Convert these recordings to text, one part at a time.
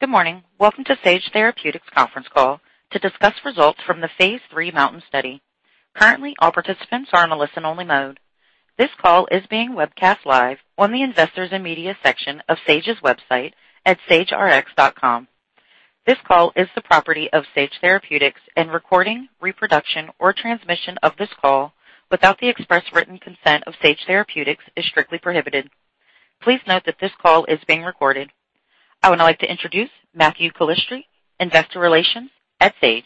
Good morning. Welcome to Sage Therapeutics conference call to discuss results from the phase III MOUNTAIN study. Currently, all participants are in a listen-only mode. This call is being webcast live on the Investors and Media section of Sage's website at sagerx.com. This call is the property of Sage Therapeutics, recording, reproduction, or transmission of this call without the express written consent of Sage Therapeutics is strictly prohibited. Please note that this call is being recorded. I would now like to introduce Matthew Calistri, investor relations at Sage.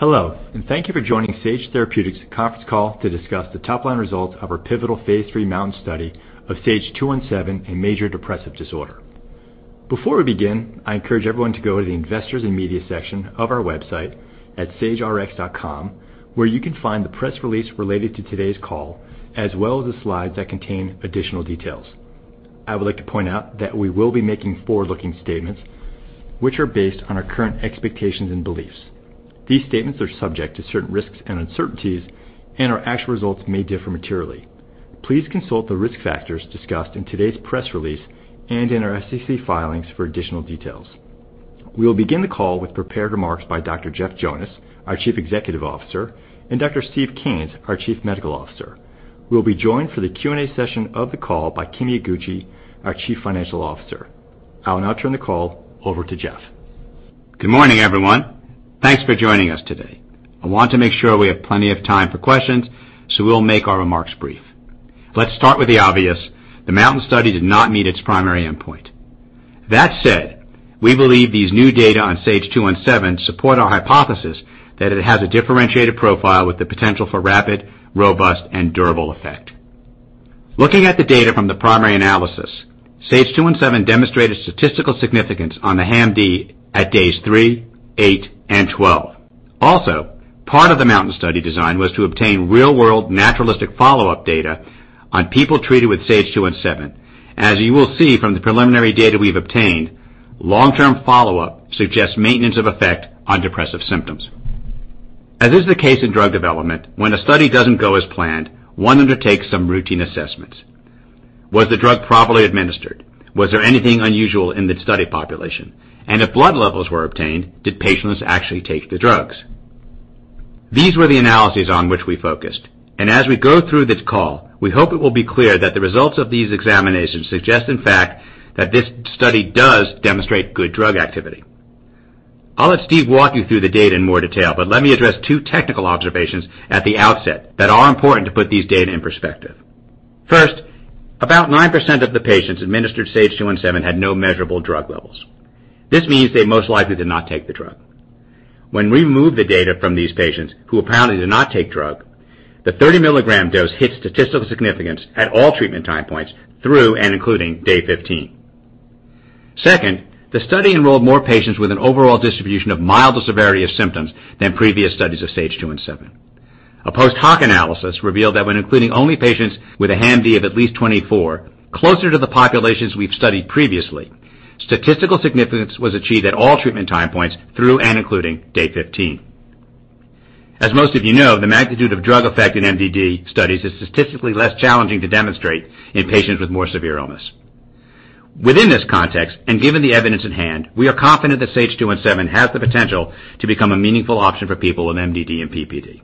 Hello, thank you for joining Sage Therapeutics' conference call to discuss the top-line results of our pivotal phase III MOUNTAIN study of SAGE-217 in major depressive disorder. Before we begin, I encourage everyone to go to the Investors and Media section of our website at sagerx.com, where you can find the press release related to today's call, as well as the slides that contain additional details. I would like to point out that we will be making forward-looking statements, which are based on our current expectations and beliefs. These statements are subject to certain risks and uncertainties, our actual results may differ materially. Please consult the risk factors discussed in today's press release and in our SEC filings for additional details. We will begin the call with prepared remarks by Dr. Jeff Jonas, our Chief Executive Officer, and Dr. Steve Kanes, our Chief Medical Officer. We'll be joined for the Q&A session of the call by Kimi Iguchi, our chief financial officer. I will now turn the call over to Jeff. Good morning, everyone. Thanks for joining us today. I want to make sure we have plenty of time for questions. We'll make our remarks brief. Let's start with the obvious. The MOUNTAIN study did not meet its primary endpoint. That said, we believe these new data on SAGE-217 support our hypothesis that it has a differentiated profile with the potential for rapid, robust and durable effect. Looking at the data from the primary analysis, SAGE-217 demonstrated statistical significance on the HAM-D at days three, eight and twelve. Also, part of the MOUNTAIN study design was to obtain real-world naturalistic follow-up data on people treated with SAGE-217. As you will see from the preliminary data we've obtained, long-term follow-up suggests maintenance of effect on depressive symptoms. As is the case in drug development, when a study doesn't go as planned, one undertakes some routine assessments. Was the drug properly administered? Was there anything unusual in the study population? If blood levels were obtained, did patients actually take the drugs? These were the analyses on which we focused. As we go through this call, we hope it will be clear that the results of these examinations suggest, in fact, that this study does demonstrate good drug activity. I'll let Steve walk you through the data in more detail, but let me address two technical observations at the outset that are important to put these data in perspective. First, about 9% of the patients administered SAGE-217 had no measurable drug levels. This means they most likely did not take the drug. When we remove the data from these patients who apparently did not take drug, the 30 mg dose hits statistical significance at all treatment time points through and including day 15. Second, the study enrolled more patients with an overall distribution of milder severity of symptoms than previous studies of SAGE-217. A post hoc analysis revealed that when including only patients with a HAM-D of at least 24, closer to the populations we've studied previously, statistical significance was achieved at all treatment time points through and including day 15. As most of you know, the magnitude of drug effect in MDD studies is statistically less challenging to demonstrate in patients with more severe illness. Within this context, and given the evidence at hand, we are confident that SAGE-217 has the potential to become a meaningful option for people with MDD and PPD.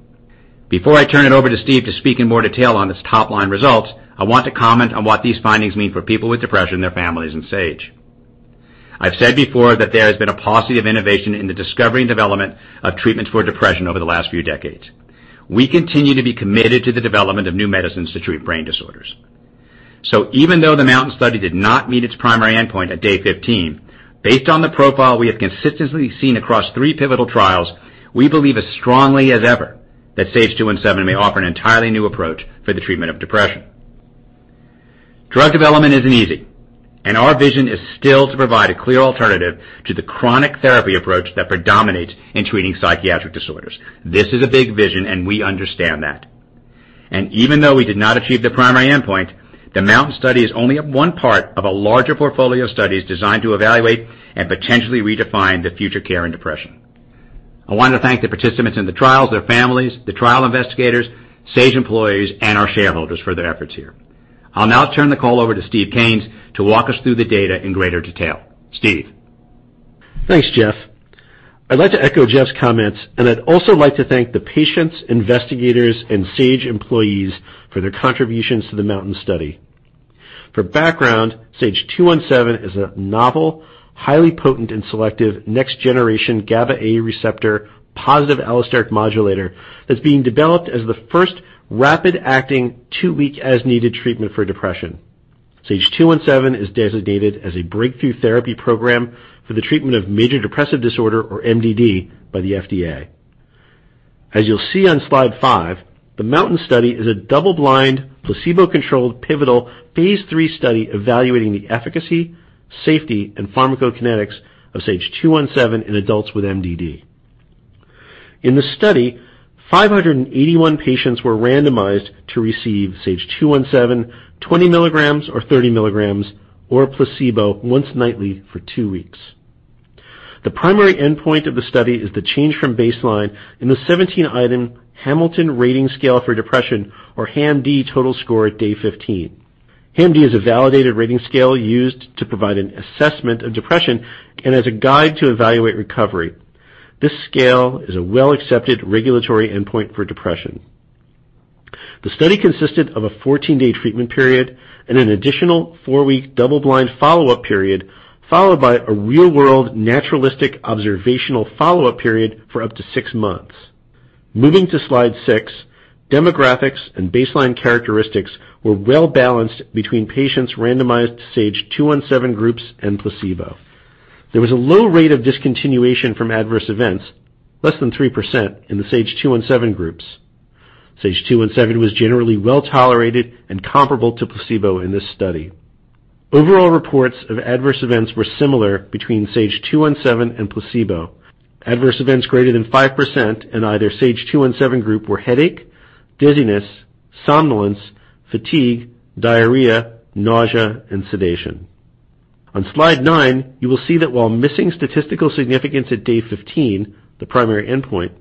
Before I turn it over to Steve to speak in more detail on its top-line results, I want to comment on what these findings mean for people with depression, their families, and Sage. I've said before that there has been a paucity of innovation in the discovery and development of treatments for depression over the last few decades. We continue to be committed to the development of new medicines to treat brain disorders. Even though the MOUNTAIN study did not meet its primary endpoint at day 15, based on the profile we have consistently seen across three pivotal trials, we believe as strongly as ever that SAGE-217 may offer an entirely new approach for the treatment of depression. Drug development isn't easy, and our vision is still to provide a clear alternative to the chronic therapy approach that predominates in treating psychiatric disorders. This is a big vision, and we understand that. Even though we did not achieve the primary endpoint, the MOUNTAIN study is only one part of a larger portfolio of studies designed to evaluate and potentially redefine the future care in depression. I want to thank the participants in the trials, their families, the trial investigators, Sage employees, and our shareholders for their efforts here. I'll now turn the call over to Steve Kanes to walk us through the data in greater detail. Steve. Thanks, Jeff. I'd like to echo Jeff's comments, and I'd also like to thank the patients, investigators, and Sage employees for their contributions to the MOUNTAIN study. For background, SAGE-217 is a novel, highly potent and selective next-generation GABA A receptor positive allosteric modulator that's being developed as the first rapid-acting, two-week as-needed treatment for depression. SAGE-217 is designated as a breakthrough therapy program for the treatment of major depressive disorder, or MDD, by the FDA. As you'll see on slide five, the MOUNTAIN study is a double-blind, placebo-controlled, pivotal phase III study evaluating the efficacy, safety, and pharmacokinetics of SAGE-217 in adults with MDD. In the study, 581 patients were randomized to receive SAGE-217 20 mg or 30 mg or a placebo once nightly for two weeks. The primary endpoint of the study is the change from baseline in the 17-item Hamilton Rating Scale for Depression, or HAM-D, total score at day 15. HAM-D is a validated rating scale used to provide an assessment of depression and as a guide to evaluate recovery. This scale is a well-accepted regulatory endpoint for depression. The study consisted of a 14-day treatment period and an additional four-week double-blind follow-up period, followed by a real-world naturalistic observational follow-up period for up to six months. Moving to slide six, demographics and baseline characteristics were well-balanced between patients randomized to SAGE-217 groups and placebo. There was a low rate of discontinuation from adverse events, less than 3% in the SAGE-217 groups. SAGE-217 was generally well-tolerated and comparable to placebo in this study. Overall reports of adverse events were similar between SAGE-217 and placebo. Adverse events greater than 5% in either SAGE-217 group were headache, dizziness, somnolence, fatigue, diarrhea, nausea, and sedation. On slide nine, you will see that while missing statistical significance at day 15, the primary endpoint,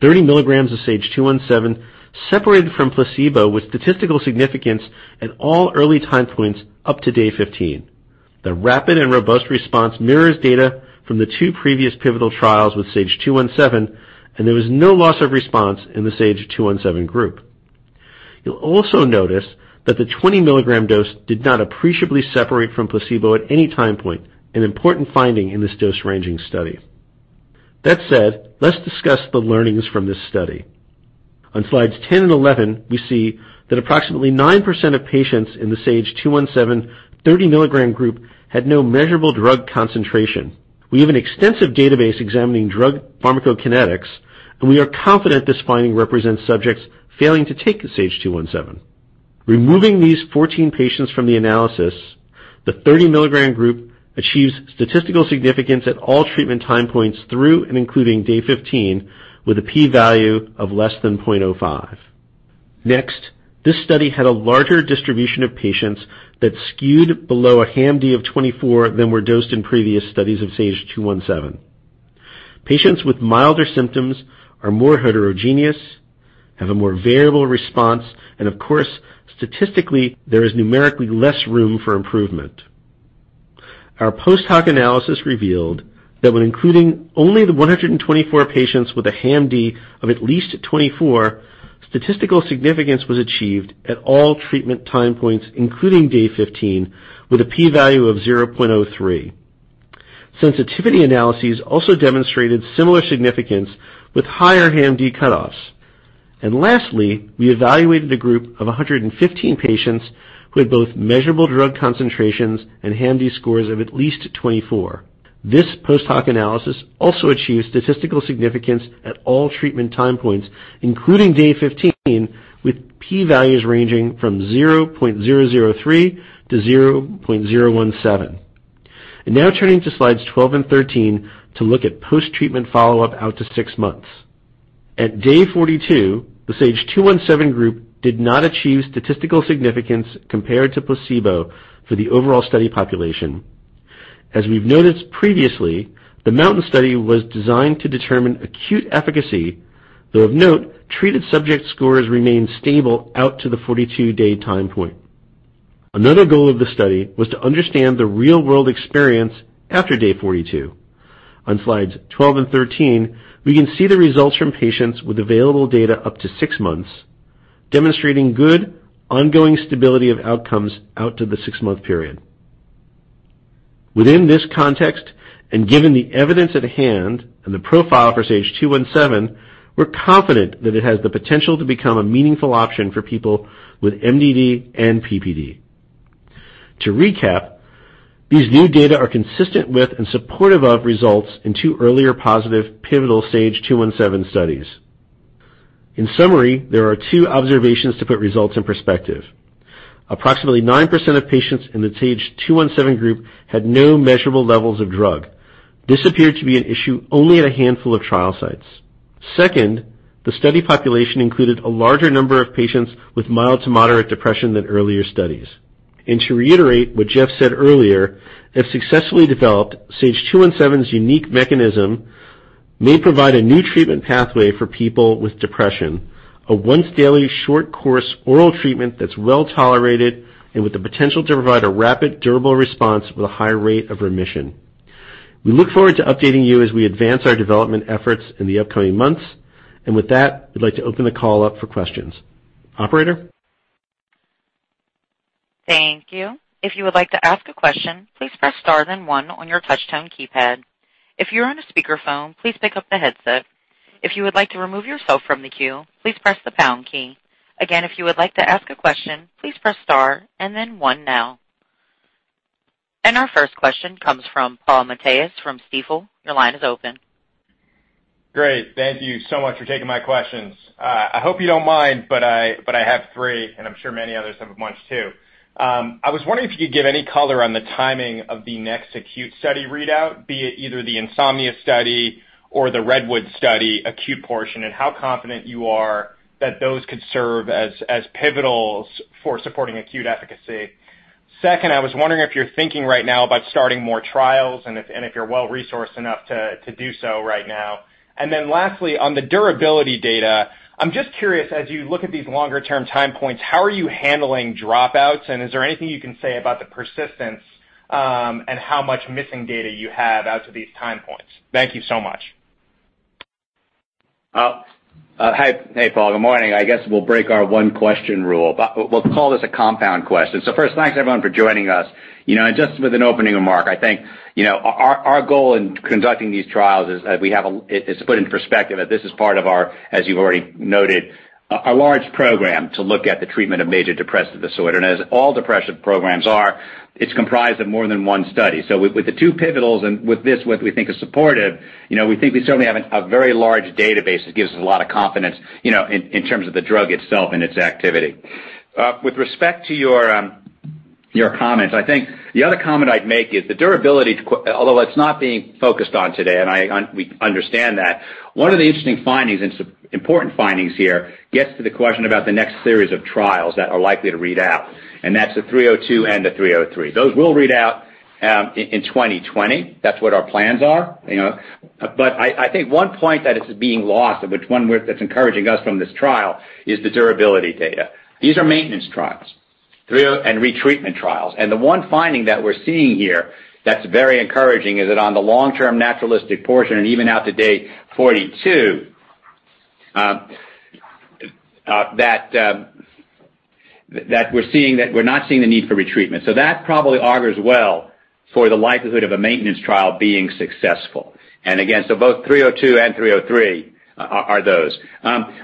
30 mg of SAGE-217 separated from placebo with statistical significance at all early time points up to day 15. The rapid and robust response mirrors data from the two previous pivotal trials with SAGE-217, and there was no loss of response in the SAGE-217 group. You'll also notice that the 20 mg dose did not appreciably separate from placebo at any time point, an important finding in this dose-ranging study. That said, let's discuss the learnings from this study. On slides 10 and 11, we see that approximately 9% of patients in the SAGE-217 30 mg group had no measurable drug concentration. We have an extensive database examining drug pharmacokinetics, and we are confident this finding represents subjects failing to take SAGE-217. Removing these 14 patients from the analysis, the 30 mg group achieves statistical significance at all treatment time points through and including day 15 with an p-value of less than 0.05. This study had a larger distribution of patients that skewed below a HAM-D of 24 than were dosed in previous studies of SAGE-217. Patients with milder symptoms are more heterogeneous, have a more variable response, and of course, statistically, there is numerically less room for improvement. Our post hoc analysis revealed that when including only the 124 patients with a HAM-D of at least 24, statistical significance was achieved at all treatment time points, including day 15, with a p-value of 0.03. Sensitivity analyses also demonstrated similar significance with higher HAM-D cutoffs. Lastly, we evaluated a group of 115 patients who had both measurable drug concentrations and HAM-D scores of at least 24. This post hoc analysis also achieved statistical significance at all treatment time points, including day 15, with p-values ranging from 0.003-0.017. Now turning to slides 12 and 13 to look at post-treatment follow-up out to six months. At day 42, the SAGE-217 group did not achieve statistical significance compared to placebo for the overall study population. As we've noticed previously, the MOUNTAIN study was designed to determine acute efficacy. Though of note, treated subject scores remained stable out to the 42-day time point. Another goal of the study was to understand the real-world experience after day 42. On slides 12 and 13, we can see the results from patients with available data up to six months, demonstrating good ongoing stability of outcomes out to the six-month period. Given the evidence at hand and the profile for SAGE-217, we're confident that it has the potential to become a meaningful option for people with MDD and PPD. To recap, these new data are consistent with and supportive of results in two earlier positive pivotal SAGE-217 studies. In summary, there are two observations to put results in perspective. Approximately 9% of patients in the SAGE-217 group had no measurable levels of drug. This appeared to be an issue only at a handful of trial sites. Second, the study population included a larger number of patients with mild to moderate depression than earlier studies. To reiterate what Jeff said earlier, if successfully developed, SAGE-217's unique mechanism may provide a new treatment pathway for people with depression, a once-daily, short-course oral treatment that's well-tolerated and with the potential to provide a rapid, durable response with a high rate of remission. We look forward to updating you as we advance our development efforts in the upcoming months. With that, we'd like to open the call up for questions. Operator? Thank you. If you would like to ask a question, please press star then one on your touchtone keypad. If you're on a speakerphone, please pick up the headset. If you would like to remove yourself from the queue, please press the pound key. Again, if you would like to ask a question, please press star and then one now. Our first question comes from Paul Matteis from Stifel. Your line is open. Great. Thank you so much for taking my questions. I hope you don't mind, but I have three, and I'm sure many others have a bunch too. I was wondering if you could give any color on the timing of the next acute study readout, be it either the INSOMNIA study or the REDWOOD study acute portion, and how confident you are that those could serve as pivotals for supporting acute efficacy. Second, I was wondering if you're thinking right now about starting more trials and if you're well-resourced enough to do so right now. Lastly, on the durability data, I'm just curious, as you look at these longer-term time points, how are you handling dropouts? Is there anything you can say about the persistence, and how much missing data you have out to these time points? Thank you so much. Hey, Paul. Good morning. I guess we'll break our one-question rule, but we'll call this a compound question. First, thanks everyone for joining us. Just with an opening remark, I think, our goal in conducting these trials is to put it into perspective, that this is part of our, as you've already noted, a large program to look at the treatment of major depressive disorder. As all depression programs are, it's comprised of more than one study. With the two pivotals and with this, what we think is supportive, we think we certainly have a very large database that gives us a lot of confidence, in terms of the drug itself and its activity. With respect to your comments, I think the other comment I'd make is the durability, although it's not being focused on today, and we understand that, one of the interesting findings and important findings here gets to the question about the next series of trials that are likely to read out, and that's the 302 and the 303. Those will read out in 2020. That's what our plans are. I think one point that is being lost, but one that's encouraging us from this trial, is the durability data. These are maintenance trials and retreatment trials. The one finding that we're seeing here that's very encouraging is that on the long-term naturalistic portion, and even out to day 42, that we're not seeing the need for retreatment. That probably augers well for the likelihood of a maintenance trial being successful. Again, so both 302 and 303 are those.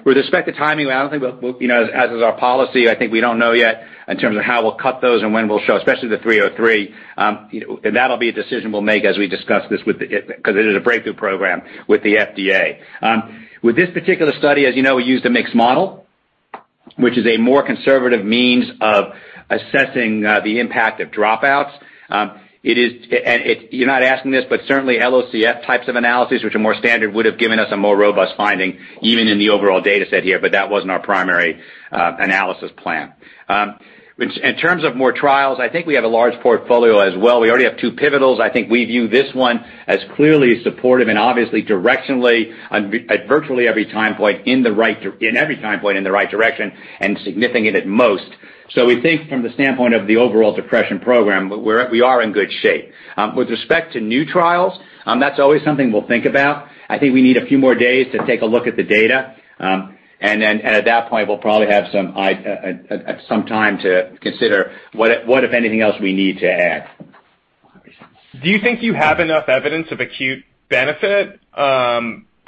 With respect to timing, as is our policy, I think we don't know yet in terms of how we'll cut those and when we'll show, especially the 303. That'll be a decision we'll make as we discuss this, because it is a breakthrough program, with the FDA. With this particular study, as you know, we used a mixed model, which is a more conservative means of assessing the impact of dropouts. You're not asking this, but certainly LOCF types of analyses, which are more standard, would've given us a more robust finding even in the overall data set here, but that wasn't our primary analysis plan. In terms of more trials, I think we have a large portfolio as well. We already have two pivotals. I think we view this one as clearly supportive and obviously directionally at virtually every time point in the right direction and significant at most. We think from the standpoint of the overall depression program, we are in good shape. With respect to new trials, that's always something we'll think about. I think we need a few more days to take a look at the data. At that point, we'll probably have some time to consider what, if anything else, we need to add. Do you think you have enough evidence of acute benefit?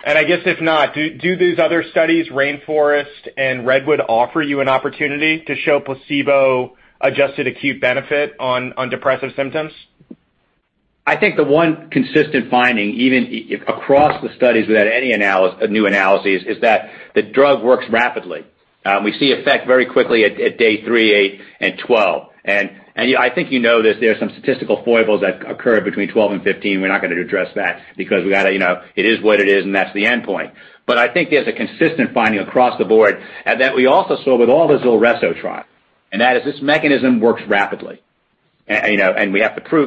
I guess if not, do these other studies, RAINFOREST and REDWOOD offer you an opportunity to show placebo-adjusted acute benefit on depressive symptoms? I think the one consistent finding, even across the studies without any new analyses, is that the drug works rapidly. We see effect very quickly at day three, eight, and 12. I think you know this, there are some statistical foibles that occur between 12 and 15. We're not going to address that because it is what it is, and that's the endpoint. I think there's a consistent finding across the board, and that we also saw with all the ZULRESSO trials, and that is this mechanism works rapidly. We have to show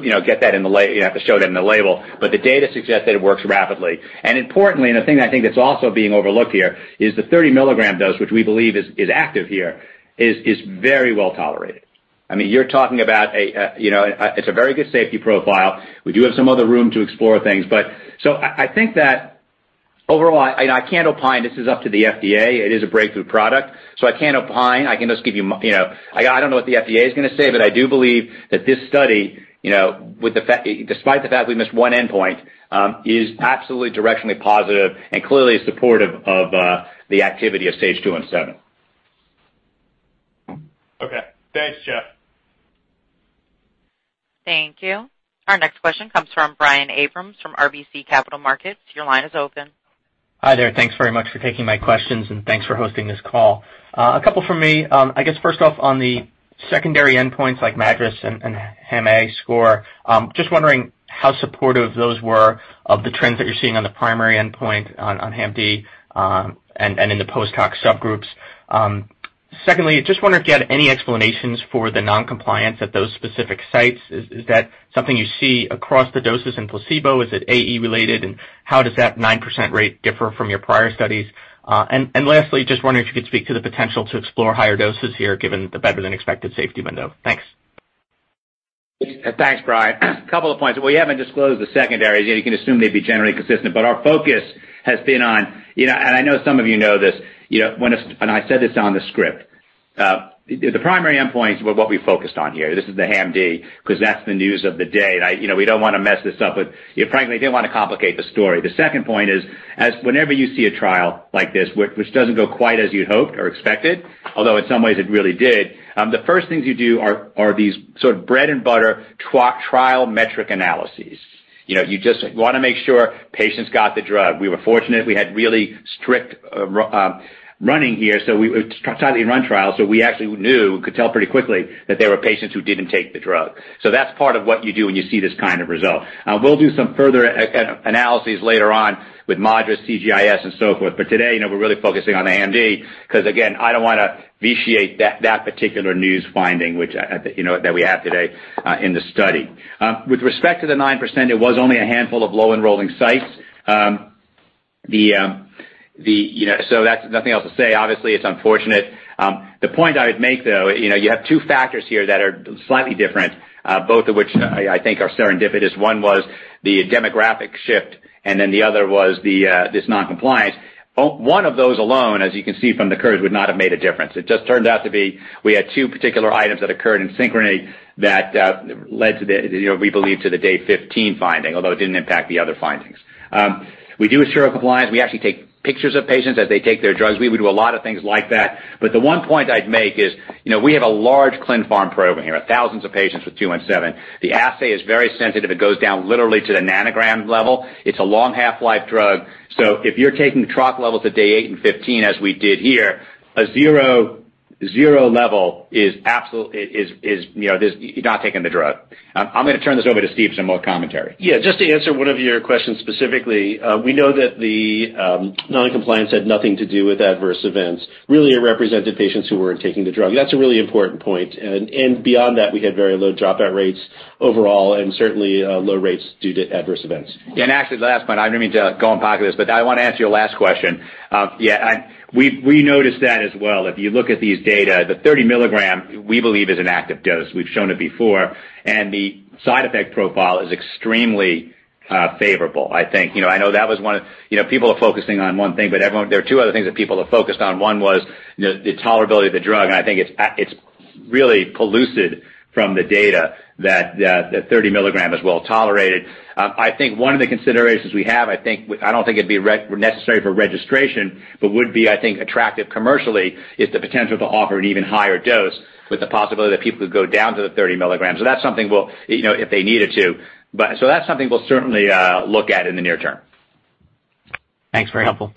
that in the label. The data suggests that it works rapidly. Importantly, and the thing I think that's also being overlooked here is the 30 mg dose, which we believe is active here, is very well-tolerated. It's a very good safety profile. We do have some other room to explore things. I think that overall, I can't opine. This is up to the FDA. It is a breakthrough therapy, so I can't opine. I don't know what the FDA is going to say, but I do believe that this study, despite the fact we missed one endpoint, is absolutely directionally positive and clearly supportive of the activity of SAGE-217. Okay. Thanks, Jeff. Thank you. Our next question comes from Brian Abrahams from RBC Capital Markets. Your line is open. Hi there. Thanks very much for taking my questions and thanks for hosting this call. A couple from me. I guess first off, on the secondary endpoints like MADRS and HAM-A score, just wondering how supportive those were of the trends that you're seeing on the primary endpoint on HAM-D, and in the post-hoc subgroups. Secondly, just wondering if you had any explanations for the non-compliance at those specific sites. Is that something you see across the doses in placebo? Is it AE related, and how does that 9% rate differ from your prior studies? Lastly, just wondering if you could speak to the potential to explore higher doses here, given the better-than-expected safety window. Thanks. Thanks, Brian. A couple of points. We haven't disclosed the secondaries. You can assume they'd be generally consistent, but our focus has been on, and I know some of you know this, and I said this on the script. The primary endpoints were what we focused on here. This is the HAM-D because that's the news of the day, and we don't want to mess this up. Frankly, didn't want to complicate the story. The second point is, whenever you see a trial like this, which doesn't go quite as you'd hoped or expected, although in some ways it really did, the first things you do are these sort of bread-and-butter trial metric analyses. You just want to make sure patients got the drug. We were fortunate we had really strict running here. It's a tightly run trial. We actually knew, we could tell pretty quickly that there were patients who didn't take the drug. That's part of what you do when you see this kind of result. We'll do some further analyses later on with MADRS, CGI-S, and so forth. Today, we're really focusing on HAM-D because, again, I don't want to vitiate that particular news finding, which I think that we have today in the study. With respect to the 9%, it was only a handful of low-enrolling sites. Nothing else to say. Obviously, it's unfortunate. The point I would make, though, you have two factors here that are slightly different, both of which I think are serendipitous. One was the demographic shift, the other was this non-compliance. One of those alone, as you can see from the curves, would not have made a difference. It just turned out to be, we had two particular items that occurred in synchrony that led to, we believe, to the day 15 finding, although it didn't impact the other findings. We do assure compliance. We actually take pictures of patients as they take their drugs. We do a lot of things like that. The one point I'd make is, we have a large clin pharm program here, thousands of patients with SAGE-217. The assay is very sensitive. It goes down literally to the nanogram level. It's a long half-life drug. If you're taking trough levels at day eight and 15, as we did here, a zero level is, you're not taking the drug. I'm going to turn this over to Steve for some more commentary. Yeah, just to answer one of your questions specifically. We know that the non-compliance had nothing to do with adverse events, really it represented patients who weren't taking the drug. That's a really important point. Beyond that, we had very low dropout rates overall and certainly low rates due to adverse events. Actually, the last point, I didn't mean to go and pocket this, but I want to answer your last question. Yeah, we noticed that as well. If you look at these data, the 30 mg, we believe, is an active dose. We've shown it before, and the side effect profile is extremely favorable, I think. I know that was one. People are focusing on one thing, but there are two other things that people have focused on. One was the tolerability of the drug, and I think it's really pellucid from the data that 30 mg is well-tolerated. I think one of the considerations we have, I don't think it'd be necessary for registration, but would be, I think, attractive commercially, is the potential to offer an even higher dose with the possibility that people could go down to the 30 mg if they needed to. That's something we'll certainly look at in the near term. Thanks. Very helpful.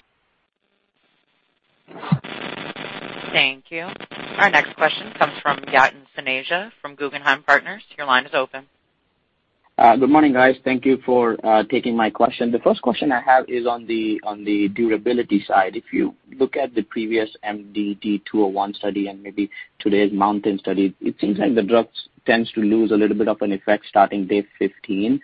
Thank you. Our next question comes from Yatin Suneja from Guggenheim Partners. Your line is open. Good morning, guys. Thank you for taking my question. The first question I have is on the durability side. If you look at the previous MDD-201 study and maybe today's MOUNTAIN study, it seems like the drug tends to lose a little bit of an effect starting day 15.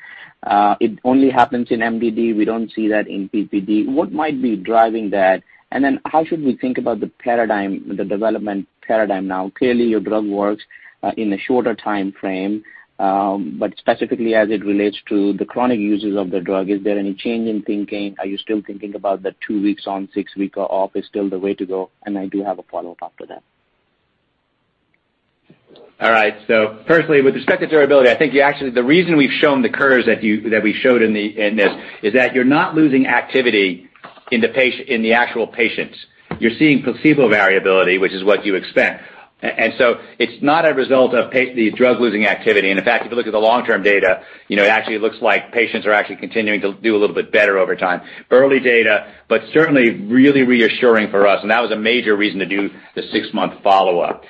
It only happens in MDD. We don't see that in PPD. What might be driving that? How should we think about the development paradigm now? Clearly, your drug works in a shorter timeframe, but specifically as it relates to the chronic users of the drug, is there any change in thinking? Are you still thinking about the two weeks on, six week off is still the way to go? I do have a follow-up after that. Firstly, with respect to durability, I think actually the reason we've shown the curves that we showed in this is that you're not losing activity in the actual patients. You're seeing placebo variability, which is what you expect. It's not a result of the drug losing activity. In fact, if you look at the long-term data, it actually looks like patients are actually continuing to do a little bit better over time. Early data, certainly really reassuring for us, and that was a major reason to do the six-month follow-up.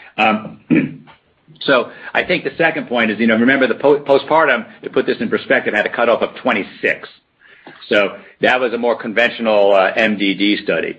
I think the second point is, remember the postpartum, to put this in perspective, had a cutoff of 26. That was a more conventional MDD study.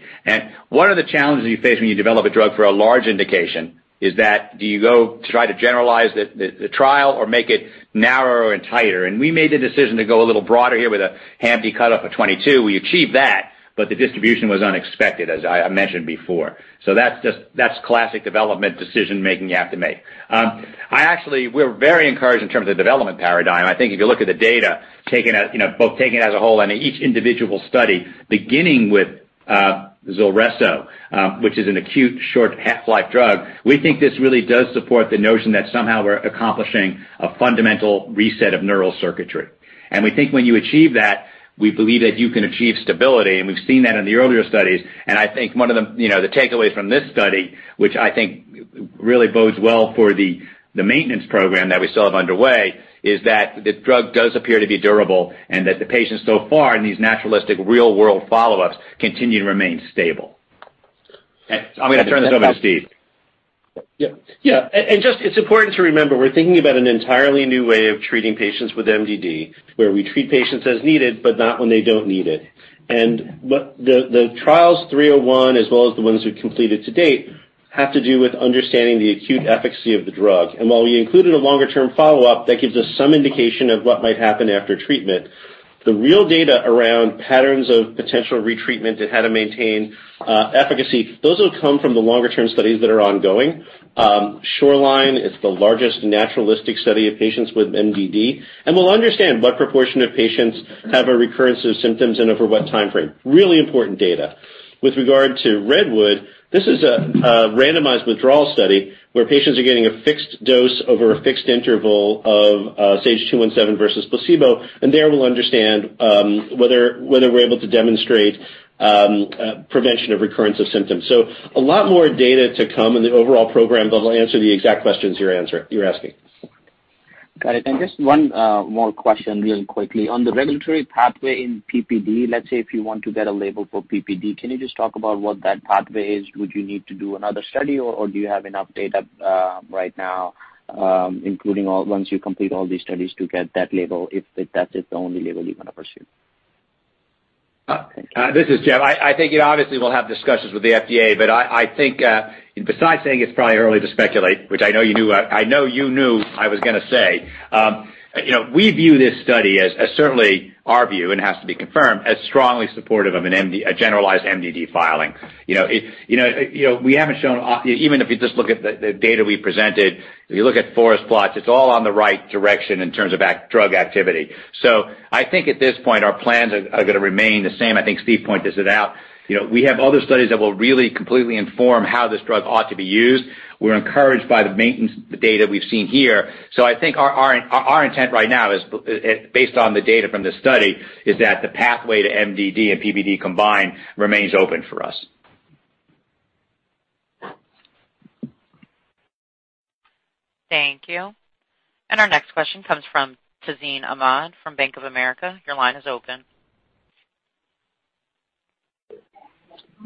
One of the challenges you face when you develop a drug for a large indication is that do you go try to generalize the trial or make it narrower and tighter? We made the decision to go a little broader here with a HAM-D cutoff of 22. We achieved that, but the distribution was unexpected, as I mentioned before. That's classic development decision-making you have to make. Actually, we're very encouraged in terms of development paradigm. I think if you look at the data, both taking it as a whole and each individual study, beginning with ZULRESSO, which is an acute short half-life drug. We think this really does support the notion that somehow we're accomplishing a fundamental reset of neural circuitry. We think when you achieve that, we believe that you can achieve stability, and we've seen that in the earlier studies. I think one of the takeaways from this study, which I think really bodes well for the maintenance program that we still have underway, is that the drug does appear to be durable and that the patients so far in these naturalistic real-world follow-ups continue to remain stable. I'm going to turn this over to Steve. Yeah. Just, it's important to remember, we're thinking about an entirely new way of treating patients with MDD, where we treat patients as needed, but not when they don't need it. The trials 301, as well as the ones we've completed to date, have to do with understanding the acute efficacy of the drug. While we included a longer-term follow-up, that gives us some indication of what might happen after treatment. The real data around patterns of potential retreatment and how to maintain efficacy, those will come from the longer-term studies that are ongoing. SHORELINE is the largest naturalistic study of patients with MDD, and we'll understand what proportion of patients have a recurrence of symptoms and over what timeframe. Really important data. With regard to REDWOOD, this is a randomized withdrawal study where patients are getting a fixed dose over a fixed interval of SAGE-217 versus placebo, and there we'll understand whether we're able to demonstrate prevention of recurrence of symptoms. A lot more data to come in the overall program that will answer the exact questions you're asking. Got it. Just one more question real quickly. On the regulatory pathway in PPD, let's say if you want to get a label for PPD, can you just talk about what that pathway is? Would you need to do another study, or do you have enough data right now including once you complete all these studies to get that label, if that is the only label you're going to pursue? This is Jeff. I think obviously we'll have discussions with the FDA, I think besides saying it's probably early to speculate, which I know you knew I was going to say. We view this study as, certainly our view, and it has to be confirmed, as strongly supportive of a generalized MDD filing. We haven't shown, even if you just look at the data we presented, if you look at forest plots, it's all on the right direction in terms of drug activity. I think at this point, our plans are going to remain the same. I think Steve pointed this out. We have other studies that will really completely inform how this drug ought to be used. We're encouraged by the maintenance, the data we've seen here. I think our intent right now is, based on the data from this study, is that the pathway to MDD and PPD combined remains open for us. Thank you. Our next question comes from Tazeen Ahmad from Bank of America. Your line is open.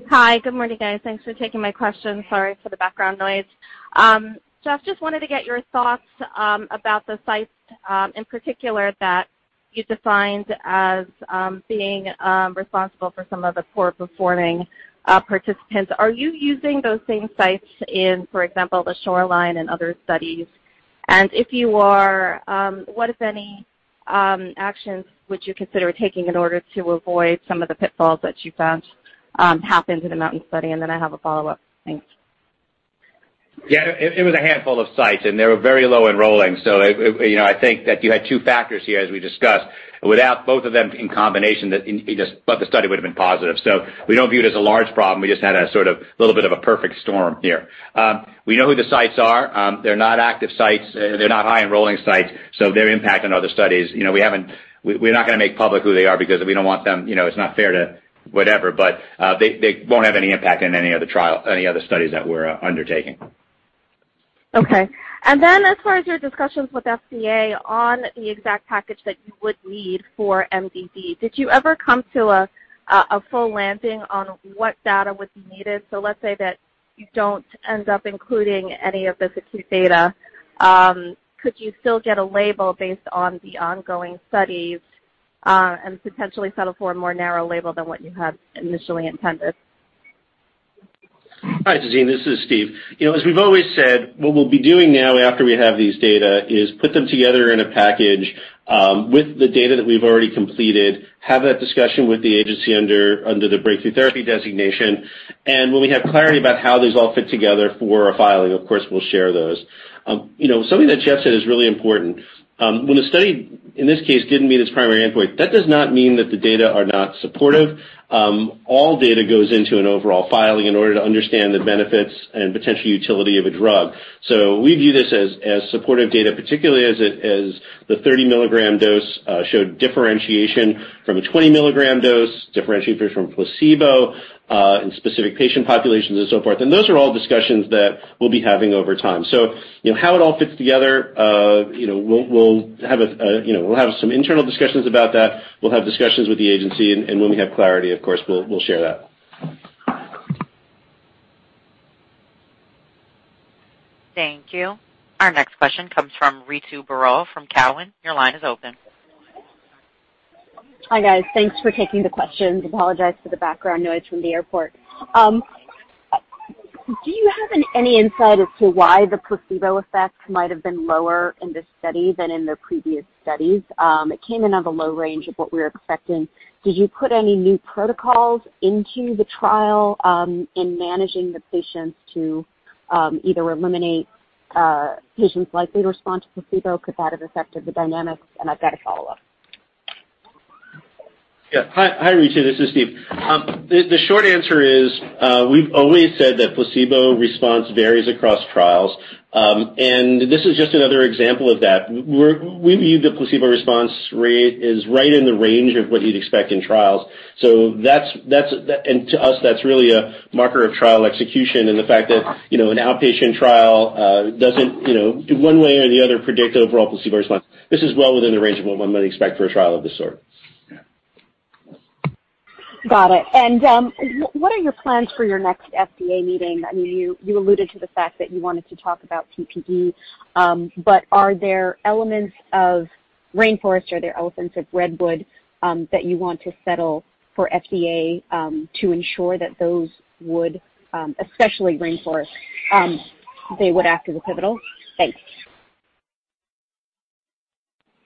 Hi. Good morning, guys. Thanks for taking my question. Sorry for the background noise. Jeff, just wanted to get your thoughts about the sites, in particular that you defined as being responsible for some of the poor performing participants. Are you using those same sites in, for example, the SHORELINE and other studies? If you are, what, if any, actions would you consider taking in order to avoid some of the pitfalls that you found happened in the MOUNTAIN study? Then I have a follow-up. Thanks. Yeah. It was a handful of sites, and they were very low enrolling. I think that you had two factors here as we discussed. Without both of them in combination, the study would have been positive. We don't view it as a large problem. We just had a sort of little bit of a perfect storm here. We know who the sites are. They're not active sites. They're not high enrolling sites, so their impact on other studies, we're not going to make public who they are because we don't want them-- it's not fair to whatever, but they won't have any impact on any other studies that we're undertaking. Okay. As far as your discussions with FDA on the exact package that you would need for MDD, did you ever come to a full landing on what data would be needed? Let's say that you don't end up including any of this acute data. Could you still get a label based on the ongoing studies, and potentially settle for a more narrow label than what you had initially intended? Hi, Tazeen, this is Steve. As we've always said, what we'll be doing now after we have these data is put them together in a package with the data that we've already completed, have that discussion with the agency under the breakthrough therapy designation. When we have clarity about how these all fit together for a filing, of course, we'll share those. Something that Jeff said is really important. When a study, in this case, didn't meet its primary endpoint, that does not mean that the data are not supportive. All data goes into an overall filing in order to understand the benefits and potential utility of a drug. We view this as supportive data, particularly as the 30 mg dose showed differentiation from a 20 mg dose, differentiation from placebo, in specific patient populations and so forth. Those are all discussions that we'll be having over time. How it all fits together, we'll have some internal discussions about that. We'll have discussions with the agency, and when we have clarity, of course, we'll share that. Thank you. Our next question comes from Ritu Baral from Cowen. Your line is open. Hi, guys. Thanks for taking the questions. Apologize for the background noise from the airport. Do you have any insight as to why the placebo effect might have been lower in this study than in the previous studies? It came in on the low range of what we were expecting. Did you put any new protocols into the trial in managing the patients to either eliminate patients likely to respond to placebo? Could that have affected the dynamics? I've got a follow-up. Hi, Ritu. This is Steve. The short answer is, we've always said that placebo response varies across trials. This is just another example of that. We view the placebo response rate is right in the range of what you'd expect in trials. To us, that's really a marker of trial execution and the fact that an outpatient trial doesn't, one way or the other, predict overall placebo response. This is well within the range of what one might expect for a trial of this sort. Got it. What are your plans for your next FDA meeting? You alluded to the fact that you wanted to talk about PPD, but are there elements of RAINFOREST, are there elements of REDWOOD that you want to settle for FDA to ensure that those would, especially RAINFOREST, they would act as a pivotal? Thanks.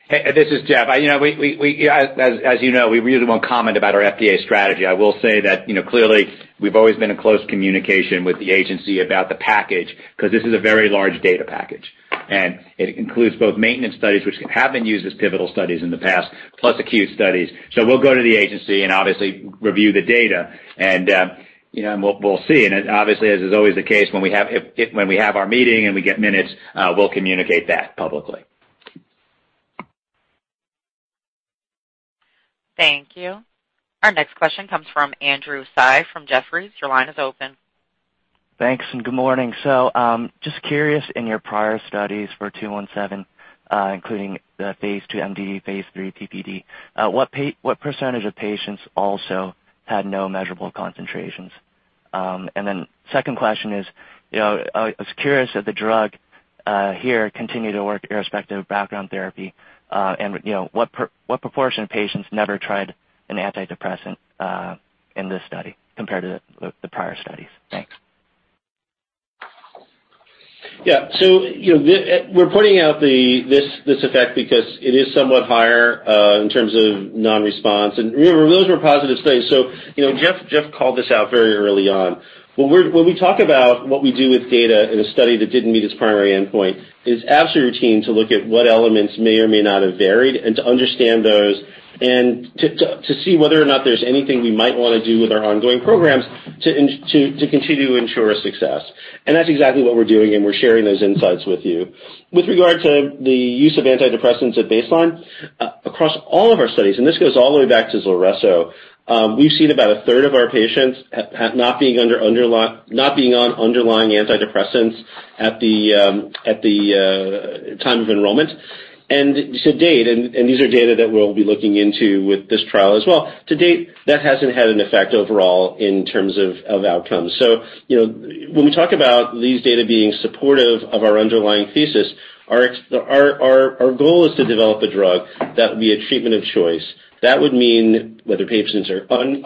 Hey, this is Jeff. As you know, we really won't comment about our FDA strategy. I will say that clearly, we've always been in close communication with the agency about the package because this is a very large data package. It includes both maintenance studies, which have been used as pivotal studies in the past, plus acute studies. We'll go to the agency and obviously review the data and we'll see. Obviously, as is always the case, when we have our meeting and we get minutes, we'll communicate that publicly. Thank you. Our next question comes from Andrew Tsai from Jefferies. Your line is open. Thanks and good morning. Just curious, in your prior studies for 217, including the phase II MDD, phase III PPD, what percentage of patients also had no measurable concentrations? Then second question is, I was curious if the drug here continued to work irrespective of background therapy, and what proportion of patients never tried an antidepressant in this study compared to the prior studies? Thanks. Yeah. We're pointing out this effect because it is somewhat higher in terms of non-response. Remember, those were positive studies. Jeff called this out very early on. When we talk about what we do with data in a study that didn't meet its primary endpoint, it's absolutely routine to look at what elements may or may not have varied and to understand those and to see whether or not there's anything we might want to do with our ongoing programs to continue to ensure a success. That's exactly what we're doing, and we're sharing those insights with you. With regard to the use of antidepressants at baseline, across all of our studies, and this goes all the way back to ZULRESSO, we've seen about a third of our patients not being on underlying antidepressants at the time of enrollment. To date, and these are data that we'll be looking into with this trial as well, to date, that hasn't had an effect overall in terms of outcomes. When we talk about these data being supportive of our underlying thesis, our goal is to develop a drug that would be a treatment of choice. That would mean whether patients are on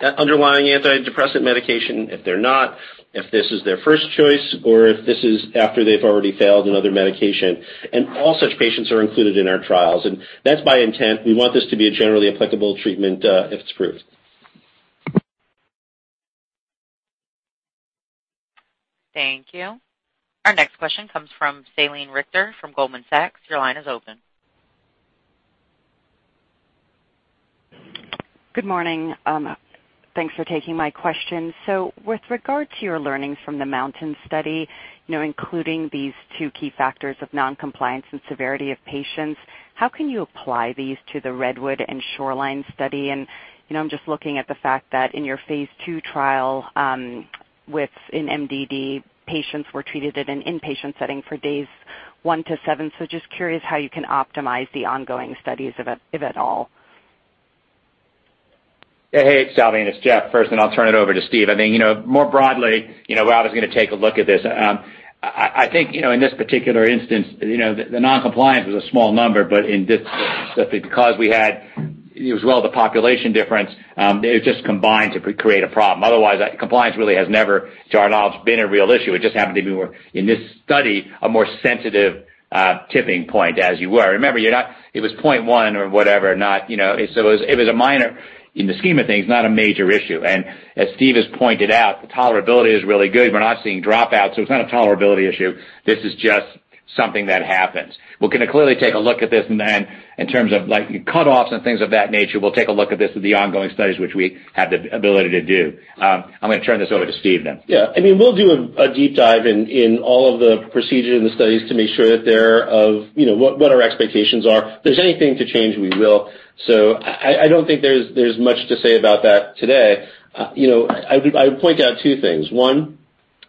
underlying antidepressant medication, if they're not, if this is their first choice, or if this is after they've already failed another medication. All such patients are included in our trials, and that's by intent. We want this to be a generally applicable treatment if it's approved. Thank you. Our next question comes from Salveen Richter from Goldman Sachs. Your line is open. Good morning. Thanks for taking my question. With regard to your learnings from the MOUNTAIN study, including these two key factors of non-compliance and severity of patients, how can you apply these to the REDWOOD and SHORELINE study? I'm just looking at the fact that in your phase II trial with an MDD, patients were treated in an inpatient setting for days one to seven. Just curious how you can optimize the ongoing studies, if at all. Hey, Salveen, it's Jeff. First, I'll turn it over to Steve. More broadly, Rob is going to take a look at this. I think, in this particular instance, the non-compliance was a small number, but because we had as well the population difference, it just combined to create a problem. Compliance really has never, to our knowledge, been a real issue. It just happened to be more, in this study, a more sensitive tipping point, as you were. Remember, it was 0.1 or whatever. It was a minor in the scheme of things, not a major issue. As Steve has pointed out, the tolerability is really good. We're not seeing dropouts, so it's not a tolerability issue. This is just something that happens. We're going to clearly take a look at this, and then in terms of cutoffs and things of that nature, we'll take a look at this with the ongoing studies, which we have the ability to do. I'm going to turn this over to Steve then. Yeah. We'll do a deep dive in all of the procedure and the studies to make sure that what our expectations are. If there's anything to change, we will. I don't think there's much to say about that today. I would point out two things. One,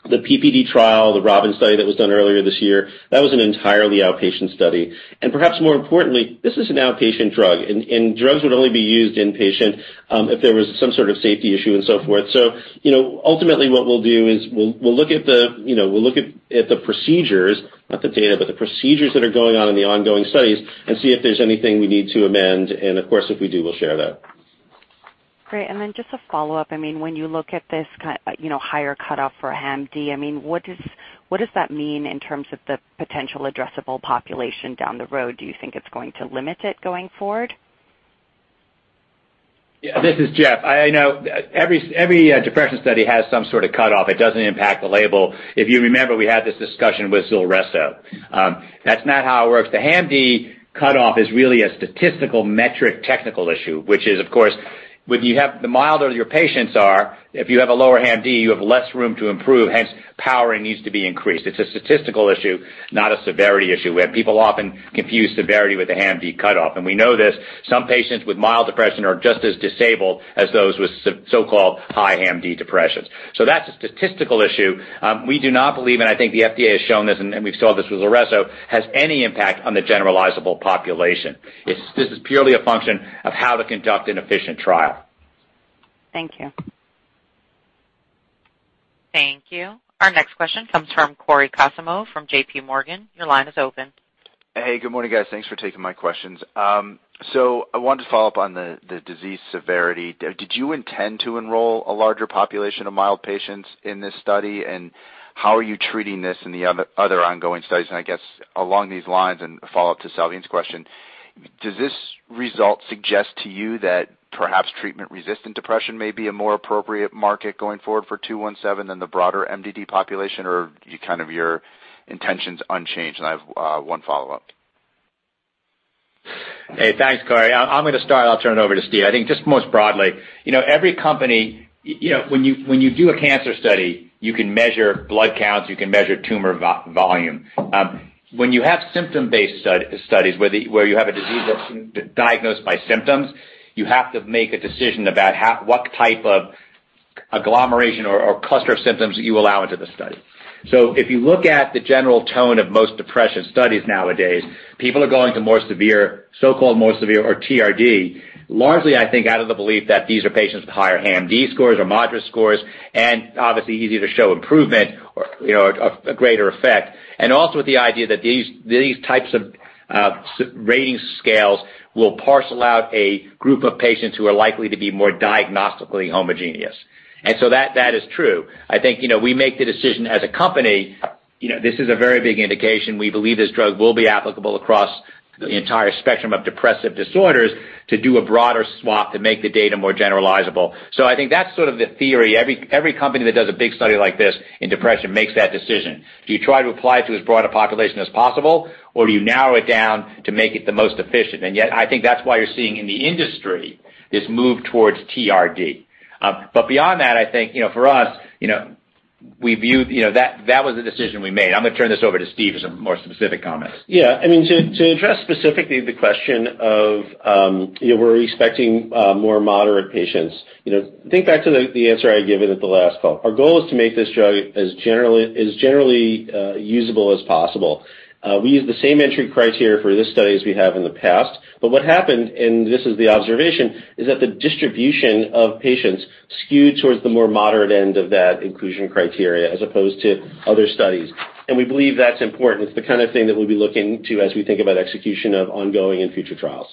the PPD trial, the ROBIN study that was done earlier this year, that was an entirely outpatient study. Perhaps more importantly, this is an outpatient drug, and drugs would only be used inpatient if there was some sort of safety issue and so forth. Ultimately, what we'll do is we'll look at the procedures, not the data, but the procedures that are going on in the ongoing studies and see if there's anything we need to amend. Of course, if we do, we'll share that. Great. Just a follow-up. When you look at this higher cutoff for HAM-D, what does that mean in terms of the potential addressable population down the road? Do you think it's going to limit it going forward? Yeah. This is Jeff. I know every depression study has some sort of cutoff. It doesn't impact the label. If you remember, we had this discussion with ZULRESSO. That's not how it works. The HAM-D cutoff is really a statistical metric technical issue, which is, of course, the milder your patients are, if you have a lower HAM-D, you have less room to improve, hence powering needs to be increased. It's a statistical issue, not a severity issue, where people often confuse severity with a HAM-D cutoff. We know this, some patients with mild depression are just as disabled as those with so-called high HAM-D depressions. That's a statistical issue. We do not believe, and I think the FDA has shown this, and we saw this with ZULRESSO, has any impact on the generalizable population. This is purely a function of how to conduct an efficient trial. Thank you. Thank you. Our next question comes from Cory Kasimov from JPMorgan. Your line is open. Hey, good morning, guys. Thanks for taking my questions. I wanted to follow up on the disease severity. Did you intend to enroll a larger population of mild patients in this study? How are you treating this in the other ongoing studies? I guess along these lines, and a follow-up to Salveen's question, does this result suggest to you that perhaps treatment-resistant depression may be a more appropriate market going forward for 217 than the broader MDD population? Kind of your intention's unchanged. I have one follow-up. Hey, thanks, Cory. I'm going to start, and I'll turn it over to Steve. I think just most broadly, every company when you do a cancer study, you can measure blood counts, you can measure tumor volume. When you have symptom-based studies where you have a disease that's diagnosed by symptoms, you have to make a decision about what type of agglomeration or cluster of symptoms you allow into the study. If you look at the general tone of most depression studies nowadays, people are going to more severe, so-called more severe or TRD, largely, I think, out of the belief that these are patients with higher HAM-D scores or MADRS scores, and obviously easier to show improvement or a greater effect. Also with the idea that these types of rating scales will parcel out a group of patients who are likely to be more diagnostically homogeneous. That is true. I think, we make the decision as a company, this is a very big indication. We believe this drug will be applicable across the entire spectrum of depressive disorders to do a broader swap to make the data more generalizable. I think that's sort of the theory. Every company that does a big study like this in depression makes that decision. Do you try to apply it to as broad a population as possible, or do you narrow it down to make it the most efficient? Yet, I think that's why you're seeing in the industry this move towards TRD. Beyond that, I think, for us, that was the decision we made. I'm going to turn this over to Steve for some more specific comments. Yeah. To address specifically the question of, we're expecting more moderate patients. Think back to the answer I had given at the last call. Our goal is to make this drug as generally usable as possible. We use the same entry criteria for this study as we have in the past. What happened, and this is the observation, is that the distribution of patients skewed towards the more moderate end of that inclusion criteria as opposed to other studies. We believe that's important. It's the kind of thing that we'll be looking to as we think about execution of ongoing and future trials.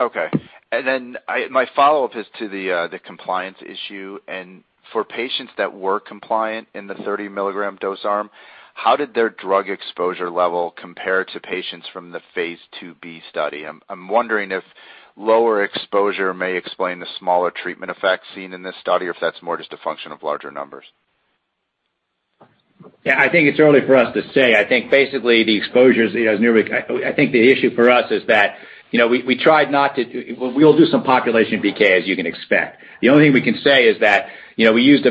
Okay. My follow-up is to the compliance issue. For patients that were compliant in the 30 mg dose arm, how did their drug exposure level compare to patients from the phase IIB study? I'm wondering if lower exposure may explain the smaller treatment effect seen in this study, or if that's more just a function of larger numbers. Yeah, I think it's early for us to say. I think basically the exposures, I think the issue for us is that, we tried not to. We'll do some population PK, as you can expect. The only thing we can say is that, we used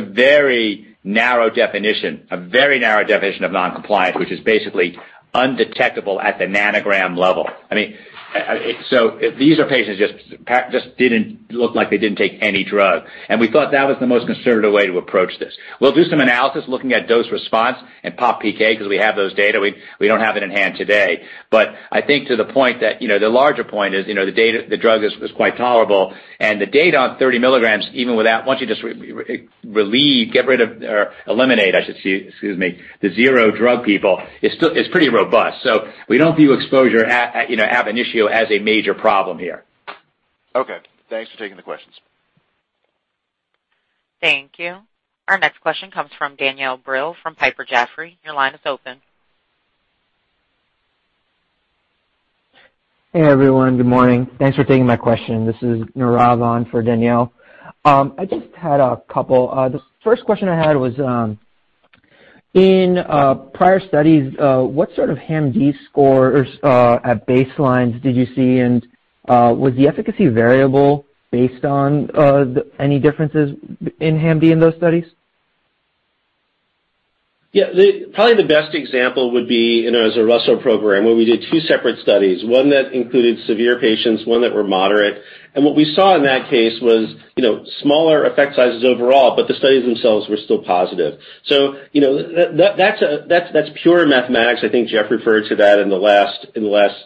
a very narrow definition of non-compliance, which is basically undetectable at the nanogram level. These are patients just didn't look like they didn't take any drug. We thought that was the most conservative way to approach this. We'll do some analysis looking at dose response and PopPK because we have those data. We don't have it in hand today. I think to the point that, the larger point is, the data, the drug is quite tolerable, and the data on 30 mg, even without, once you just relieve, get rid of, or eliminate, I should say, excuse me, the zero drug people, it's pretty robust. We don't view exposure as an issue as a major problem here. Okay. Thanks for taking the questions. Thank you. Our next question comes from Danielle Brill from Piper Jaffray. Your line is open. Hey, everyone. Good morning. Thanks for taking my question. This is Nirav on for Danielle. I just had a couple. The first question I had was, in prior studies, what sort of HAM-D scores at baselines did you see, and was the efficacy variable based on any differences in HAM-D in those studies? Yeah, probably the best example would be in our ZULRESSO program, where we did two separate studies, one that included severe patients, one that were moderate. What we saw in that case was smaller effect sizes overall, but the studies themselves were still positive. That's pure mathematics. I think Jeff referred to that in the last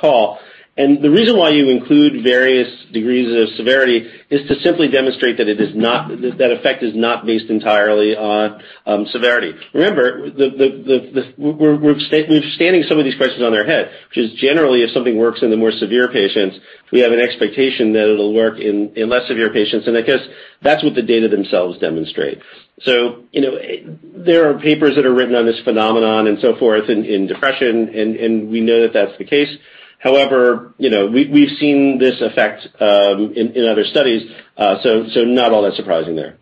call. The reason why you include various degrees of severity is to simply demonstrate that effect is not based entirely on severity. Remember, we're standing some of these questions on their head, which is generally if something works in the more severe patients, we have an expectation that it'll work in less severe patients. I guess that's what the data themselves demonstrate. There are papers that are written on this phenomenon and so forth in depression, and we know that that's the case. We've seen this effect in other studies, so not all that surprising there.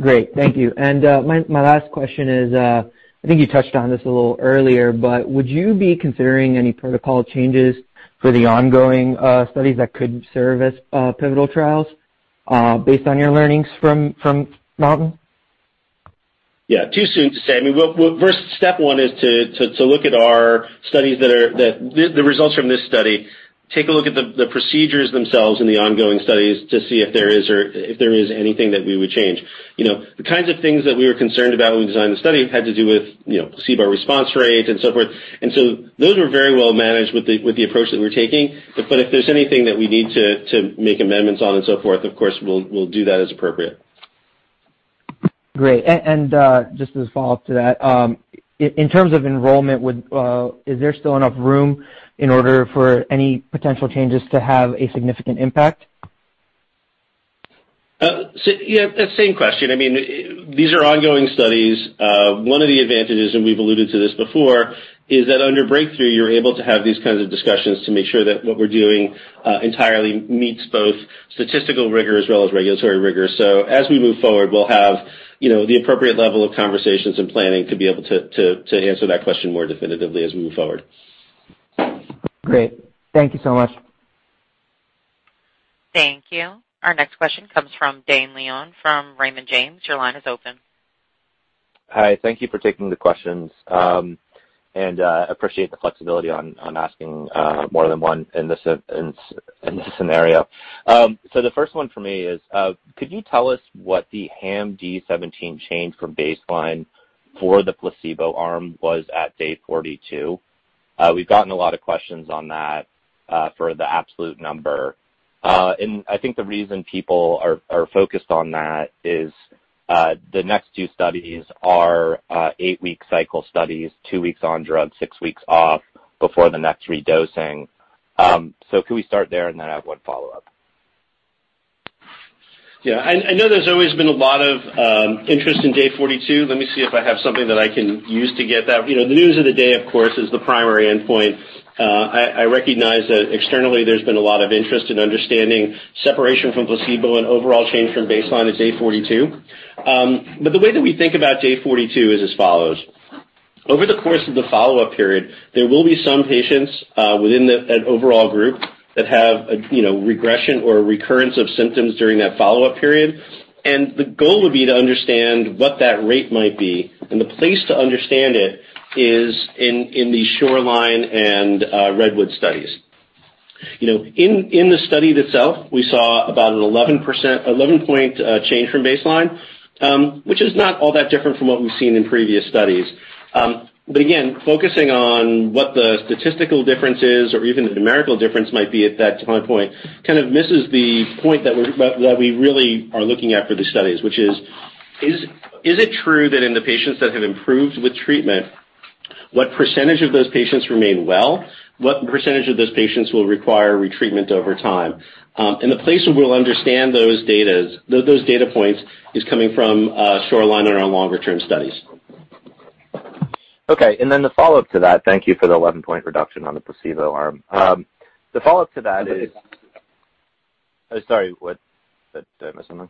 Great. Thank you. My last question is, I think you touched on this a little earlier, but would you be considering any protocol changes for the ongoing studies that could serve as pivotal trials based on your learnings from MOUNTAIN? Yeah. Too soon to say. First step one is to look at our studies, the results from this study, take a look at the procedures themselves in the ongoing studies to see if there is anything that we would change. The kinds of things that we were concerned about when we designed the study had to do with CGI-S response rate and so forth. Those were very well managed with the approach that we're taking. If there's anything that we need to make amendments on and so forth, of course, we'll do that as appropriate. Great. Just as a follow-up to that, in terms of enrollment, is there still enough room in order for any potential changes to have a significant impact? Yeah. Same question. These are ongoing studies. One of the advantages, and we've alluded to this before, is that under breakthrough, you're able to have these kinds of discussions to make sure that what we're doing entirely meets both statistical rigor as well as regulatory rigor. As we move forward, we'll have the appropriate level of conversations and planning to be able to answer that question more definitively as we move forward. Great. Thank you so much. Thank you. Our next question comes from Dane Leone from Raymond James. Your line is open. Hi. Thank you for taking the questions, and appreciate the flexibility on asking more than one in this scenario. The first one for me is, could you tell us what the HAM-D17 change from baseline for the placebo arm was at day 42? We've gotten a lot of questions on that for the absolute number. I think the reason people are focused on that is the next two studies are eight-week cycle studies, two weeks on drug, six weeks off before the next redosing. Can we start there? I have one follow-up. Yeah. I know there's always been a lot of interest in day 42. Let me see if I have something that I can use to get that. The news of the day, of course, is the primary endpoint. I recognize that externally, there's been a lot of interest in understanding separation from placebo and overall change from baseline at day 42. The way that we think about day 42 is as follows. Over the course of the follow-up period, there will be some patients within an overall group that have regression or recurrence of symptoms during that follow-up period. The goal would be to understand what that rate might be, and the place to understand it is in the SHORELINE and REDWOOD studies. In the study itself, we saw about an 11-point change from baseline, which is not all that different from what we've seen in previous studies. Again, focusing on what the statistical difference is or even the numerical difference might be at that time point kind of misses the point that we really are looking at for the studies, which is: Is it true that in the patients that have improved with treatment, what percentage of those patients remain well? What percentage of those patients will require retreatment over time? The place where we'll understand those data points is coming from SHORELINE and our longer-term studies. Okay. The follow-up to that, thank you for the 11-point reduction on the placebo arm. The follow-up to that. Oh, sorry, what? Did I miss something?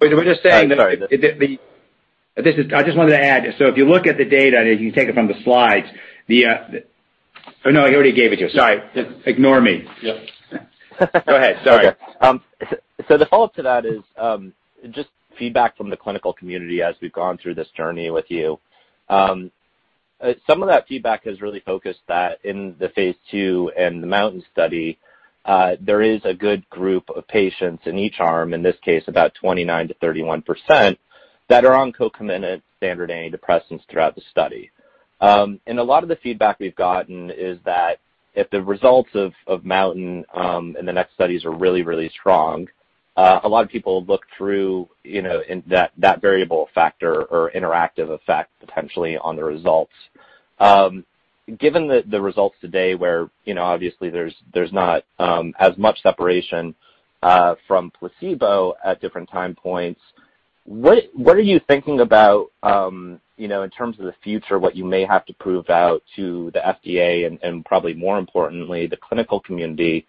We're just saying. Oh, sorry. I just wanted to add, so if you look at the data, and if you take it from the slides, Oh, no, he already gave it to you. Sorry. Ignore me. Yeah. Go ahead. Sorry. Okay. The follow-up to that is just feedback from the clinical community as we've gone through this journey with you. Some of that feedback has really focused that in the phase II and the MOUNTAIN study, there is a good group of patients in each arm, in this case about 29%-31%, that are on co-commenced standard antidepressants throughout the study. A lot of the feedback we've gotten is that if the results of MOUNTAIN and the next studies are really, really strong, a lot of people look through that variable factor or interactive effect potentially on the results. Given the results today where obviously there's not as much separation from placebo at different time points, what are you thinking about in terms of the future, what you may have to prove out to the FDA and probably more importantly, the clinical community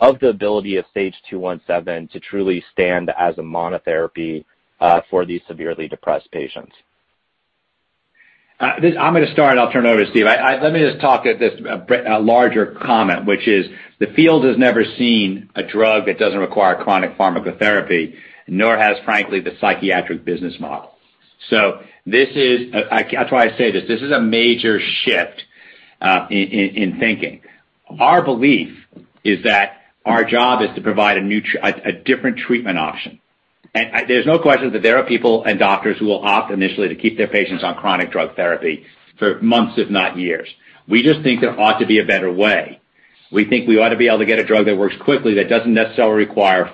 of the ability of SAGE-217 to truly stand as a monotherapy for these severely depressed patients? I'm going to start, and I'll turn it over to Steve. Let me just talk at this larger comment, which is the field has never seen a drug that doesn't require chronic pharmacotherapy, nor has, frankly, the psychiatric business model. That's why I say this is a major shift in thinking. Our belief is that our job is to provide a different treatment option. There's no question that there are people and doctors who will opt initially to keep their patients on chronic drug therapy for months, if not years. We just think there ought to be a better way. We think we ought to be able to get a drug that works quickly that doesn't necessarily require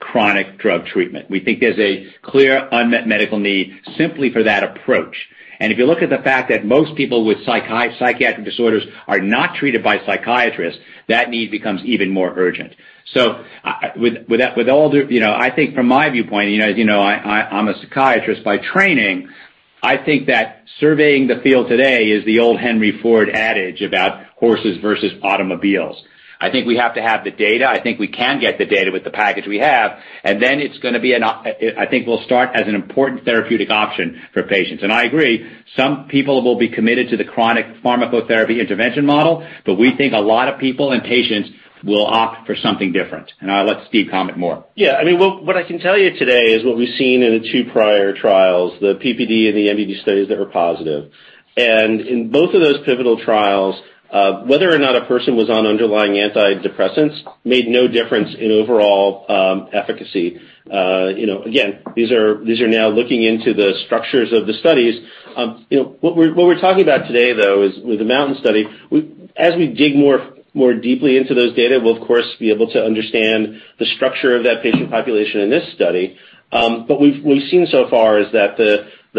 chronic drug treatment. We think there's a clear unmet medical need simply for that approach. If you look at the fact that most people with psychiatric disorders are not treated by psychiatrists, that need becomes even more urgent. I think from my viewpoint, I'm a psychiatrist by training. I think that surveying the field today is the old Henry Ford adage about horses versus automobiles. I think we have to have the data. I think we can get the data with the package we have, and then I think we'll start as an important therapeutic option for patients. I agree, some people will be committed to the chronic pharmacotherapy intervention model, but we think a lot of people and patients will opt for something different. I'll let Steve comment more. Yeah. What I can tell you today is what we've seen in the two prior trials, the PPD and the MDD studies that were positive. In both of those pivotal trials, whether or not a person was on underlying antidepressants made no difference in overall efficacy. Again, these are now looking into the structures of the studies. What we're talking about today, though, is with the MOUNTAIN study, as we dig more deeply into those data, we'll of course, be able to understand the structure of that patient population in this study. We've seen so far is that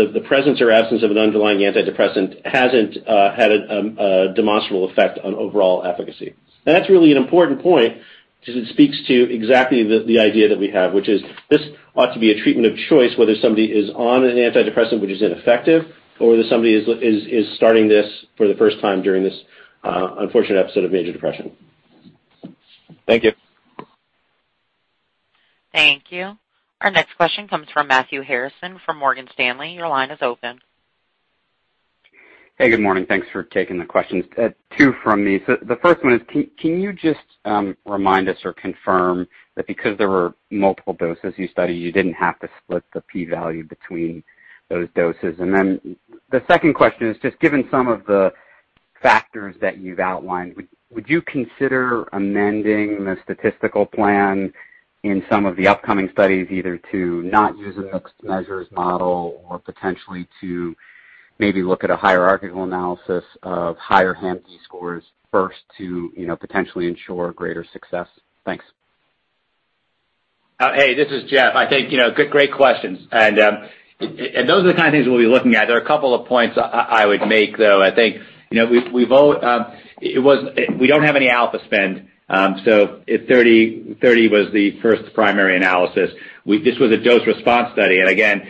the presence or absence of an underlying antidepressant hasn't had a demonstrable effect on overall efficacy. That's really an important point because it speaks to exactly the idea that we have, which is this ought to be a treatment of choice, whether somebody is on an antidepressant which is ineffective, or whether somebody is starting this for the first time during this unfortunate episode of major depression. Thank you. Thank you. Our next question comes from Matthew Harrison from Morgan Stanley. Your line is open. Hey, good morning. Thanks for taking the questions. Two from me. The first one is, can you just remind us or confirm that because there were multiple doses you studied, you didn't have to split the P value between those doses? The second question is, just given some of the factors that you've outlined, would you consider amending the statistical plan in some of the upcoming studies, either to not use a mixed model or potentially to maybe look at a hierarchical analysis of higher HAM-D scores first to potentially ensure greater success? Thanks. Hey, this is Jeff. I think, great questions. Those are the kind of things we'll be looking at. There are a couple of points I would make, though. I think, we don't have any alpha spend. If 30 was the first primary analysis, this was a dose-response study. Again,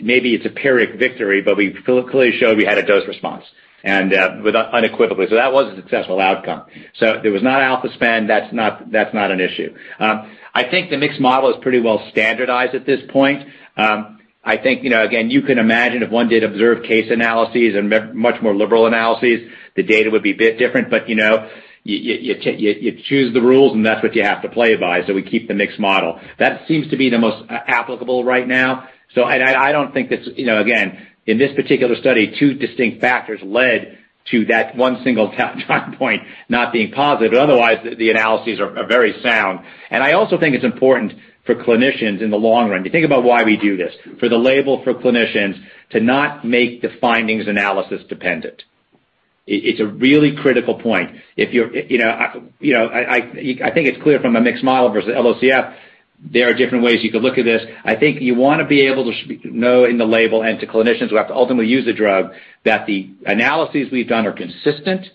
maybe it's a pyrrhic victory, but we clearly showed we had a dose response and unequivocally. That was a successful outcome. There was not alpha spend. That's not an issue. I think the mixed model is pretty well standardized at this point. I think, again, you can imagine if one did observe case analyses and much more liberal analyses, the data would be a bit different. You choose the rules, and that's what you have to play by. We keep the mixed model. That seems to be the most applicable right now. I don't think, again, in this particular study, two distinct factors led to that one single data point not being positive. Otherwise, the analyses are very sound. I also think it's important for clinicians in the long run to think about why we do this. For the label, for clinicians to not make the findings analysis-dependent. It's a really critical point. I think it's clear from a mixed model versus an LOCF, there are different ways you could look at this. I think you want to be able to know in the label and to clinicians who have to ultimately use the drug that the analyses we've done are consistent,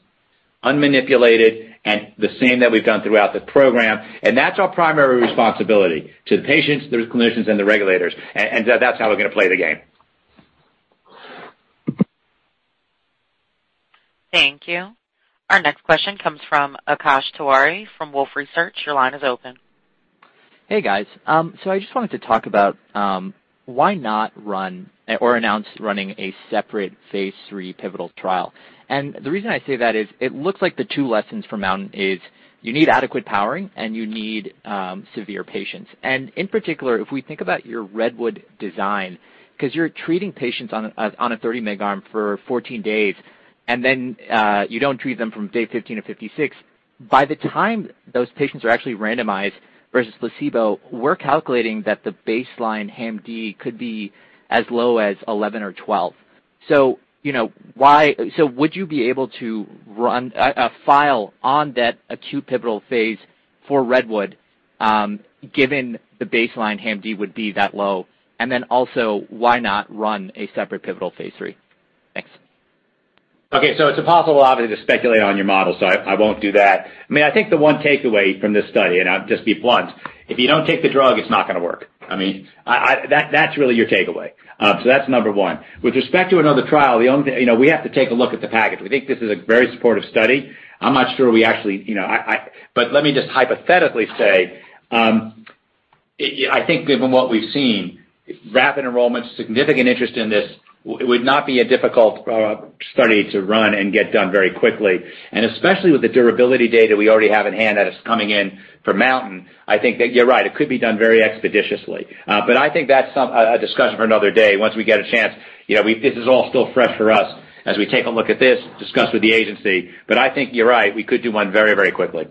unmanipulated, and the same that we've done throughout the program, and that's our primary responsibility to the patients, those clinicians, and the regulators, and that's how we're going to play the game. Thank you. Our next question comes from Akash Tewari from Wolfe Research. Your line is open. Hey, guys. I just wanted to talk about why not run or announce running a separate phase III pivotal trial. The reason I say that is it looks like the two lessons from MOUNTAIN is you need adequate powering and you need severe patients. In particular, if we think about your REDWOOD design, because you're treating patients on a 30 mg arm for 14 days, and then you don't treat them from day 15-56. By the time those patients are actually randomized versus placebo, we're calculating that the baseline HAM-D could be as low as 11 or 12. Would you be able to run a file on that acute pivotal phase for REDWOOD, given the baseline HAM-D would be that low? Then also, why not run a separate pivotal phase III? Thanks. Okay. It's impossible, obviously, to speculate on your model. I won't do that. I think the one takeaway from this study, and I'll just be blunt, if you don't take the drug, it's not going to work. That's really your takeaway. That's number one. With respect to another trial, we have to take a look at the package. We think this is a very supportive study. I'm not sure we actually, but let me just hypothetically say, I think given what we've seen, rapid enrollment, significant interest in this, it would not be a difficult study to run and get done very quickly. Especially with the durability data we already have in hand that is coming in for Mountain, I think that you're right. It could be done very expeditiously. I think that's a discussion for another day once we get a chance. This is all still fresh for us as we take a look at this, discuss with the agency. I think you're right. We could do one very quickly.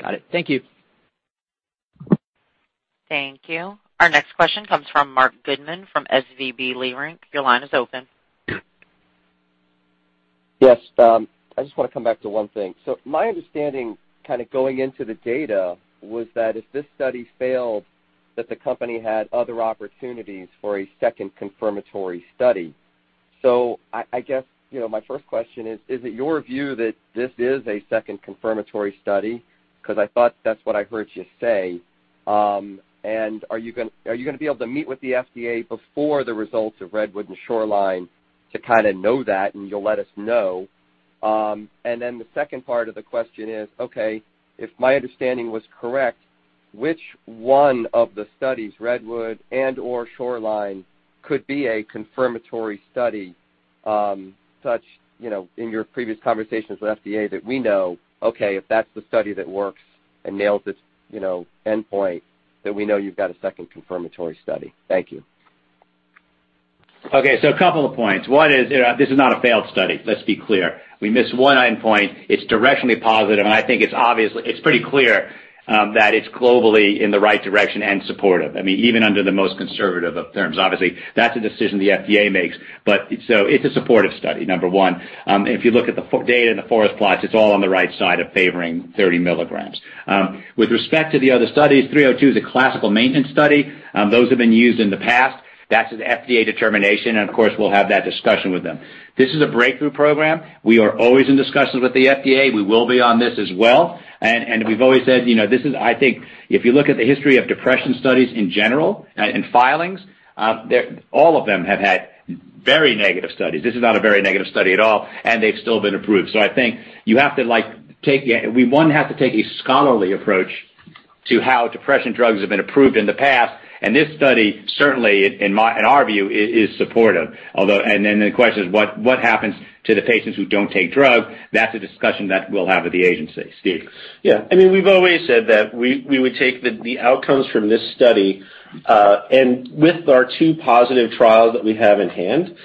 Got it. Thank you. Thank you. Our next question comes from Marc Goodman from SVB Leerink. Your line is open. Yes. I just want to come back to one thing. My understanding, kind of going into the data, was that if this study failed, that the company had other opportunities for a second confirmatory study. I guess my first question is it your view that this is a second confirmatory study? Because I thought that's what I heard you say. Are you going to be able to meet with the FDA before the results of REDWOOD and SHORELINE to know that, and you'll let us know? The second part of the question is, okay, if my understanding was correct, which one of the studies, REDWOOD and/or SHORELINE, could be a confirmatory study? Such in your previous conversations with FDA that we know, okay, if that's the study that works and nails its endpoint, then we know you've got a second confirmatory study. Thank you. Okay, a couple of points. One is, this is not a failed study. Let's be clear. We missed one endpoint. It's directionally positive, and I think it's pretty clear that it's globally in the right direction and supportive. Even under the most conservative of terms. Obviously, that's a decision the FDA makes, it's a supportive study, number one. If you look at the data in the forest plots, it's all on the right side of favoring 30 mg. With respect to the other studies, 302 is a classical maintenance study. Those have been used in the past. That's an FDA determination. Of course, we'll have that discussion with them. This is a breakthrough program. We are always in discussions with the FDA. We will be on this as well. We've always said, I think if you look at the history of depression studies in general and filings, all of them have had very negative studies. This is not a very negative study at all, and they've still been approved. I think you have to take a scholarly approach to how depression drugs have been approved in the past. This study, certainly, in our view, is supportive. The question is, what happens to the patients who don't take drug? That's a discussion that we'll have at the agency. Steve? Yeah. We've always said that we would take the outcomes from this study, and with our two positive trials that we have in hand,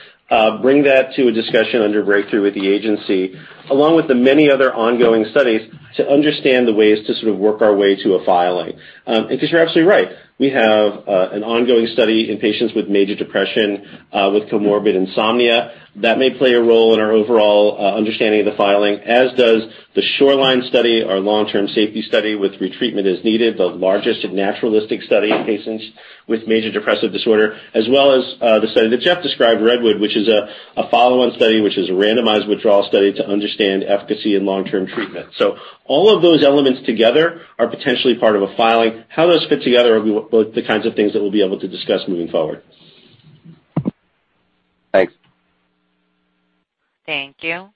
bring that to a discussion under breakthrough with the agency, along with the many other ongoing studies, to understand the ways to sort of work our way to a filing. You're absolutely right. We have an ongoing study in patients with major depression, with comorbid insomnia. That may play a role in our overall understanding of the filing, as does the SHORELINE study, our long-term safety study with retreatment as needed, the largest naturalistic study in patients with major depressive disorder, as well as the study that Jeff described, REDWOOD, which is a follow-on study, which is a randomized withdrawal study to understand efficacy and long-term treatment. All of those elements together are potentially part of a filing. How those fit together are the kinds of things that we'll be able to discuss moving forward. Thanks. Thank you.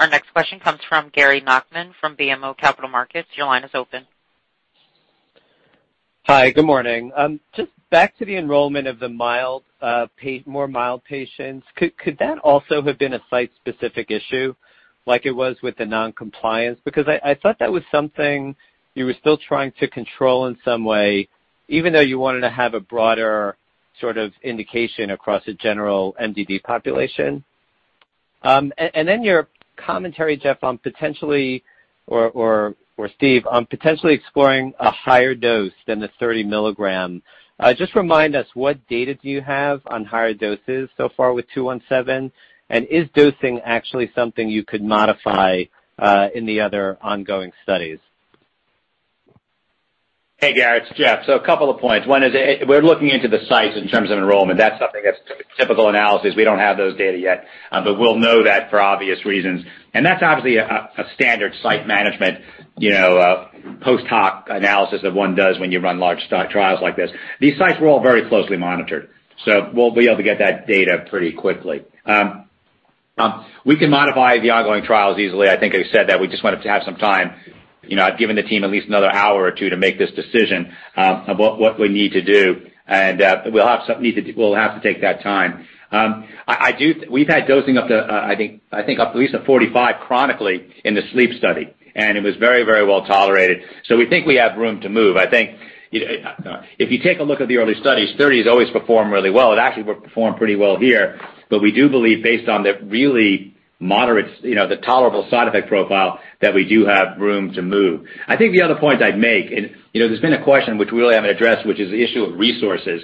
Our next question comes from Gary Nachman from BMO Capital Markets. Your line is open. Hi, good morning. Just back to the enrollment of the more mild patients. Could that also have been a site-specific issue like it was with the non-compliance? I thought that was something you were still trying to control in some way, even though you wanted to have a broader sort of indication across a general MDD population. Your commentary, Jeff, on potentially, or Steve, on potentially exploring a higher dose than the 30 mg. Just remind us what data do you have on higher doses so far with 217, and is dosing actually something you could modify in the other ongoing studies? Hey, Gary, it's Jeff. A couple of points. One is we're looking into the sites in terms of enrollment. That's something that's typical analysis. We don't have those data yet, but we'll know that for obvious reasons. That's obviously a standard site management, post hoc analysis that one does when you run large study trials like this. These sites were all very closely monitored, so we'll be able to get that data pretty quickly. We can modify the ongoing trials easily. I think I said that we just wanted to have some time. I've given the team at least another hour or two to make this decision about what we need to do, and we'll have to take that time. We've had dosing up to, I think up at least at 45 chronically in the sleep study, and it was very well tolerated. We think we have room to move. I think if you take a look at the early studies, 30 has always performed really well. It actually performed pretty well here. We do believe based on the really moderate, the tolerable side effect profile, that we do have room to move. I think the other point I'd make, and there's been a question which we really haven't addressed, which is the issue of resources.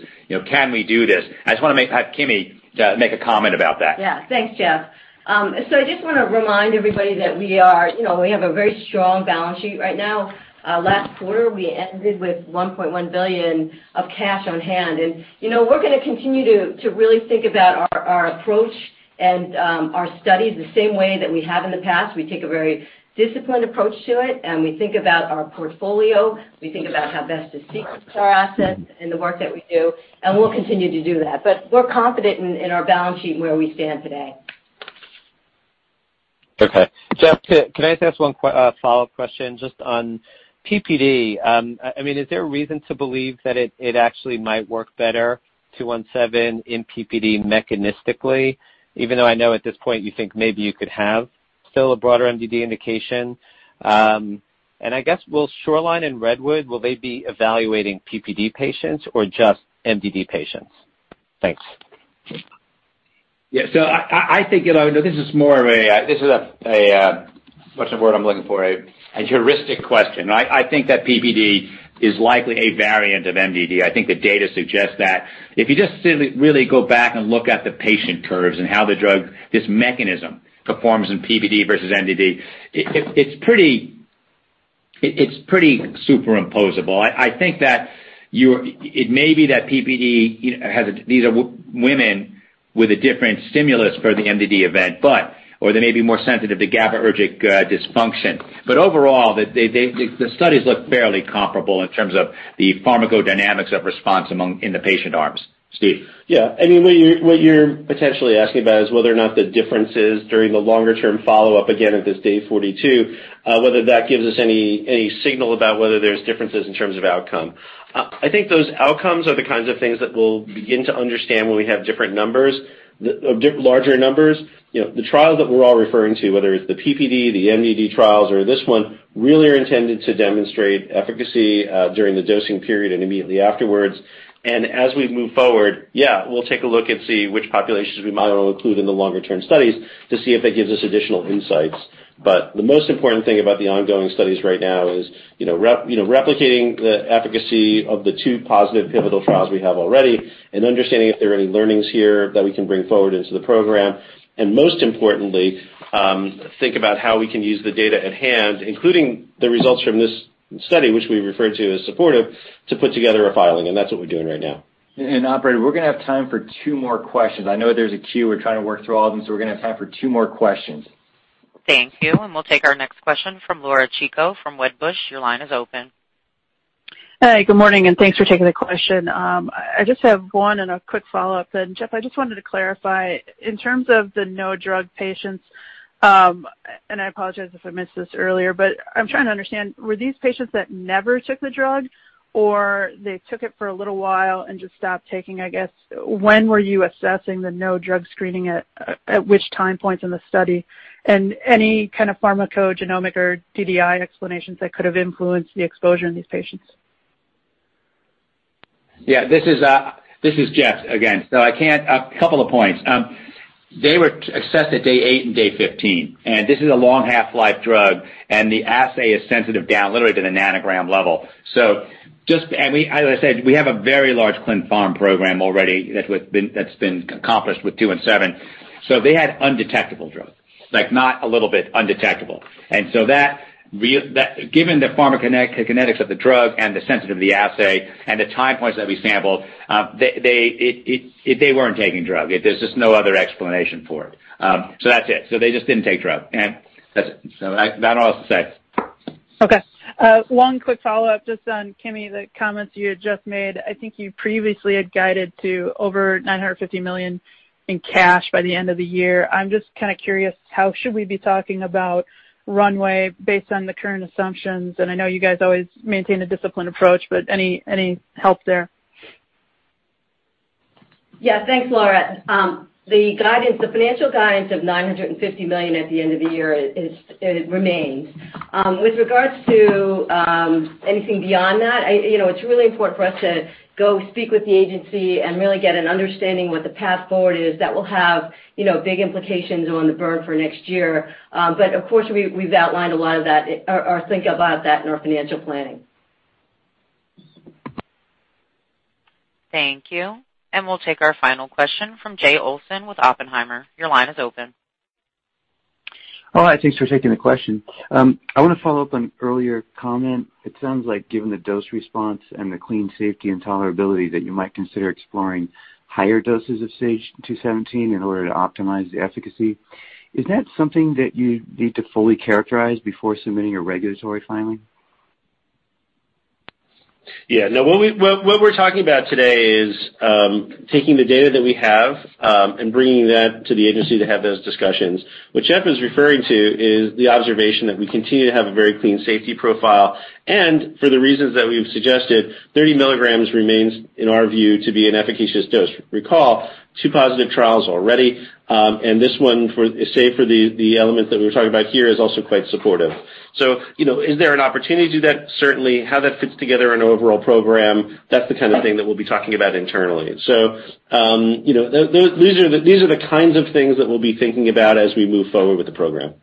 Can we do this? I just want to have Kimi make a comment about that. Yeah. Thanks, Jeff. I just want to remind everybody that we have a very strong balance sheet right now. Last quarter, we ended with $1.1 billion of cash on hand, and we're going to continue to really think about our approach and our studies the same way that we have in the past. We take a very disciplined approach to it, and we think about our portfolio, we think about how best to sequence our assets and the work that we do, and we'll continue to do that. We're confident in our balance sheet and where we stand today. Okay. Jeff, can I just ask one follow-up question just on PPD? Is there a reason to believe that it actually might work better, 217 in PPD mechanistically, even though I know at this point you think maybe you could have still a broader MDD indication? I guess will SHORELINE and REDWOOD, will they be evaluating PPD patients or just MDD patients? Thanks. Yeah. I think this is more of a heuristic question. I think that PPD is likely a variant of MDD. I think the data suggests that. If you just really go back and look at the patient curves and how the drug, this mechanism performs in PPD versus MDD, it's pretty superimposable. I think that it may be that PPD has these women with a different stimulus for the MDD event, or they may be more sensitive to GABAergic dysfunction. Overall, the studies look fairly comparable in terms of the pharmacodynamics of response among in the patient arms. Steve. Yeah. What you're potentially asking about is whether or not the differences during the longer term follow-up, again, at this day 42, whether that gives us any signal about whether there's differences in terms of outcome. I think those outcomes are the kinds of things that we'll begin to understand when we have different numbers, larger numbers. The trial that we're all referring to, whether it's the PPD, the MDD trials or this one, really are intended to demonstrate efficacy during the dosing period and immediately afterwards. As we move forward, yeah, we'll take a look and see which populations we might include in the longer-term studies to see if that gives us additional insights. The most important thing about the ongoing studies right now is replicating the efficacy of the two positive pivotal trials we have already and understanding if there are any learnings here that we can bring forward into the program. Most importantly, think about how we can use the data at hand, including the results from this study, which we referred to as supportive, to put together a filing. That's what we're doing right now. Operator, we're going to have time for two more questions. I know there's a queue. We're trying to work through all of them, we're going to have time for two more questions. Thank you. We'll take our next question from Laura Chico from Wedbush. Your line is open. Hi, good morning, and thanks for taking the question. I just have one and a quick follow-up then. Jeff, I just wanted to clarify, in terms of the no-drug patients. I apologize if I missed this earlier, but I'm trying to understand, were these patients that never took the drug, or they took it for a little while and just stopped taking, I guess? When were you assessing the no-drug screening, at which time points in the study? Any kind of pharmacogenomic or DDI explanations that could have influenced the exposure in these patients? Yeah. This is Jeff again. A couple of points. They were assessed at day eight and day 15, and this is a long half-life drug, and the assay is sensitive down literally to the nanogram level. As I said, we have a very large clin pharm program already that's been accomplished with 217. They had undetectable drugs. Like not a little bit, undetectable. Given the pharmacokinetics of the drug and the sensitivity of the assay and the time points that we sampled, they weren't taking drug. There's just no other explanation for it. That's it. They just didn't take drug. That's it. That's about all I have to say. Okay. One quick follow-up just on, Kimi, the comments you had just made. I think you previously had guided to over $950 million in cash by the end of the year. I'm just kind of curious, how should we be talking about runway based on the current assumptions? I know you guys always maintain a disciplined approach, but any help there? Yeah. Thanks, Laura. The financial guidance of $950 million at the end of the year remains. With regards to anything beyond that, it's really important for us to go speak with the Agency and really get an understanding what the path forward is that will have big implications on the burn for next year. Of course, we've outlined a lot of that or are thinking about that in our financial planning. Thank you. We'll take our final question from Jay Olson with Oppenheimer. Your line is open. Oh, hi. Thanks for taking the question. I want to follow up on an earlier comment. It sounds like given the dose response and the clean safety and tolerability that you might consider exploring higher doses of SAGE-217 in order to optimize the efficacy. Is that something that you need to fully characterize before submitting a regulatory filing? Yeah. No, what we're talking about today is taking the data that we have and bringing that to the agency to have those discussions. What Jeff is referring to is the observation that we continue to have a very clean safety profile, and for the reasons that we've suggested, 30 mg remains, in our view, to be an efficacious dose. Recall, two positive trials already. This one, save for the element that we were talking about here, is also quite supportive. Is there an opportunity to do that? Certainly. How that fits together in an overall program, that's the kind of thing that we'll be talking about internally. These are the kinds of things that we'll be thinking about as we move forward with the program.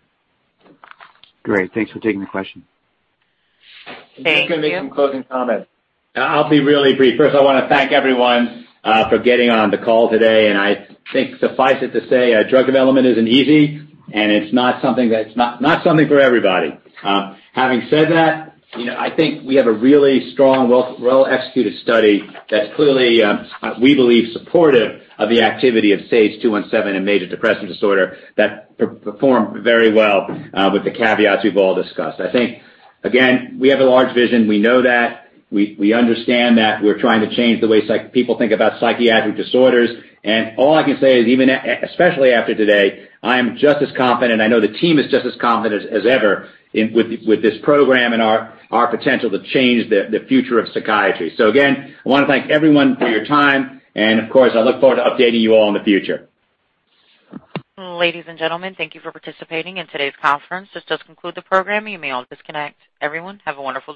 Great. Thanks for taking the question. Thank you. Just going to make some closing comments. I'll be really brief. First, I want to thank everyone for getting on the call today, and I think suffice it to say, drug development isn't easy, and it's not something for everybody. Having said that, I think we have a really strong, well-executed study that's clearly, we believe, supportive of the activity of SAGE-217 in major depressive disorder that performed very well with the caveats we've all discussed. I think, again, we have a large vision. We know that. We understand that. We're trying to change the way people think about psychiatric disorders. All I can say is, especially after today, I am just as confident, I know the team is just as confident as ever with this program and our potential to change the future of psychiatry. Again, I want to thank everyone for your time. Of course, I look forward to updating you all in the future. Ladies and gentlemen, thank you for participating in today's conference. This does conclude the program. You may all disconnect. Everyone, have a wonderful day.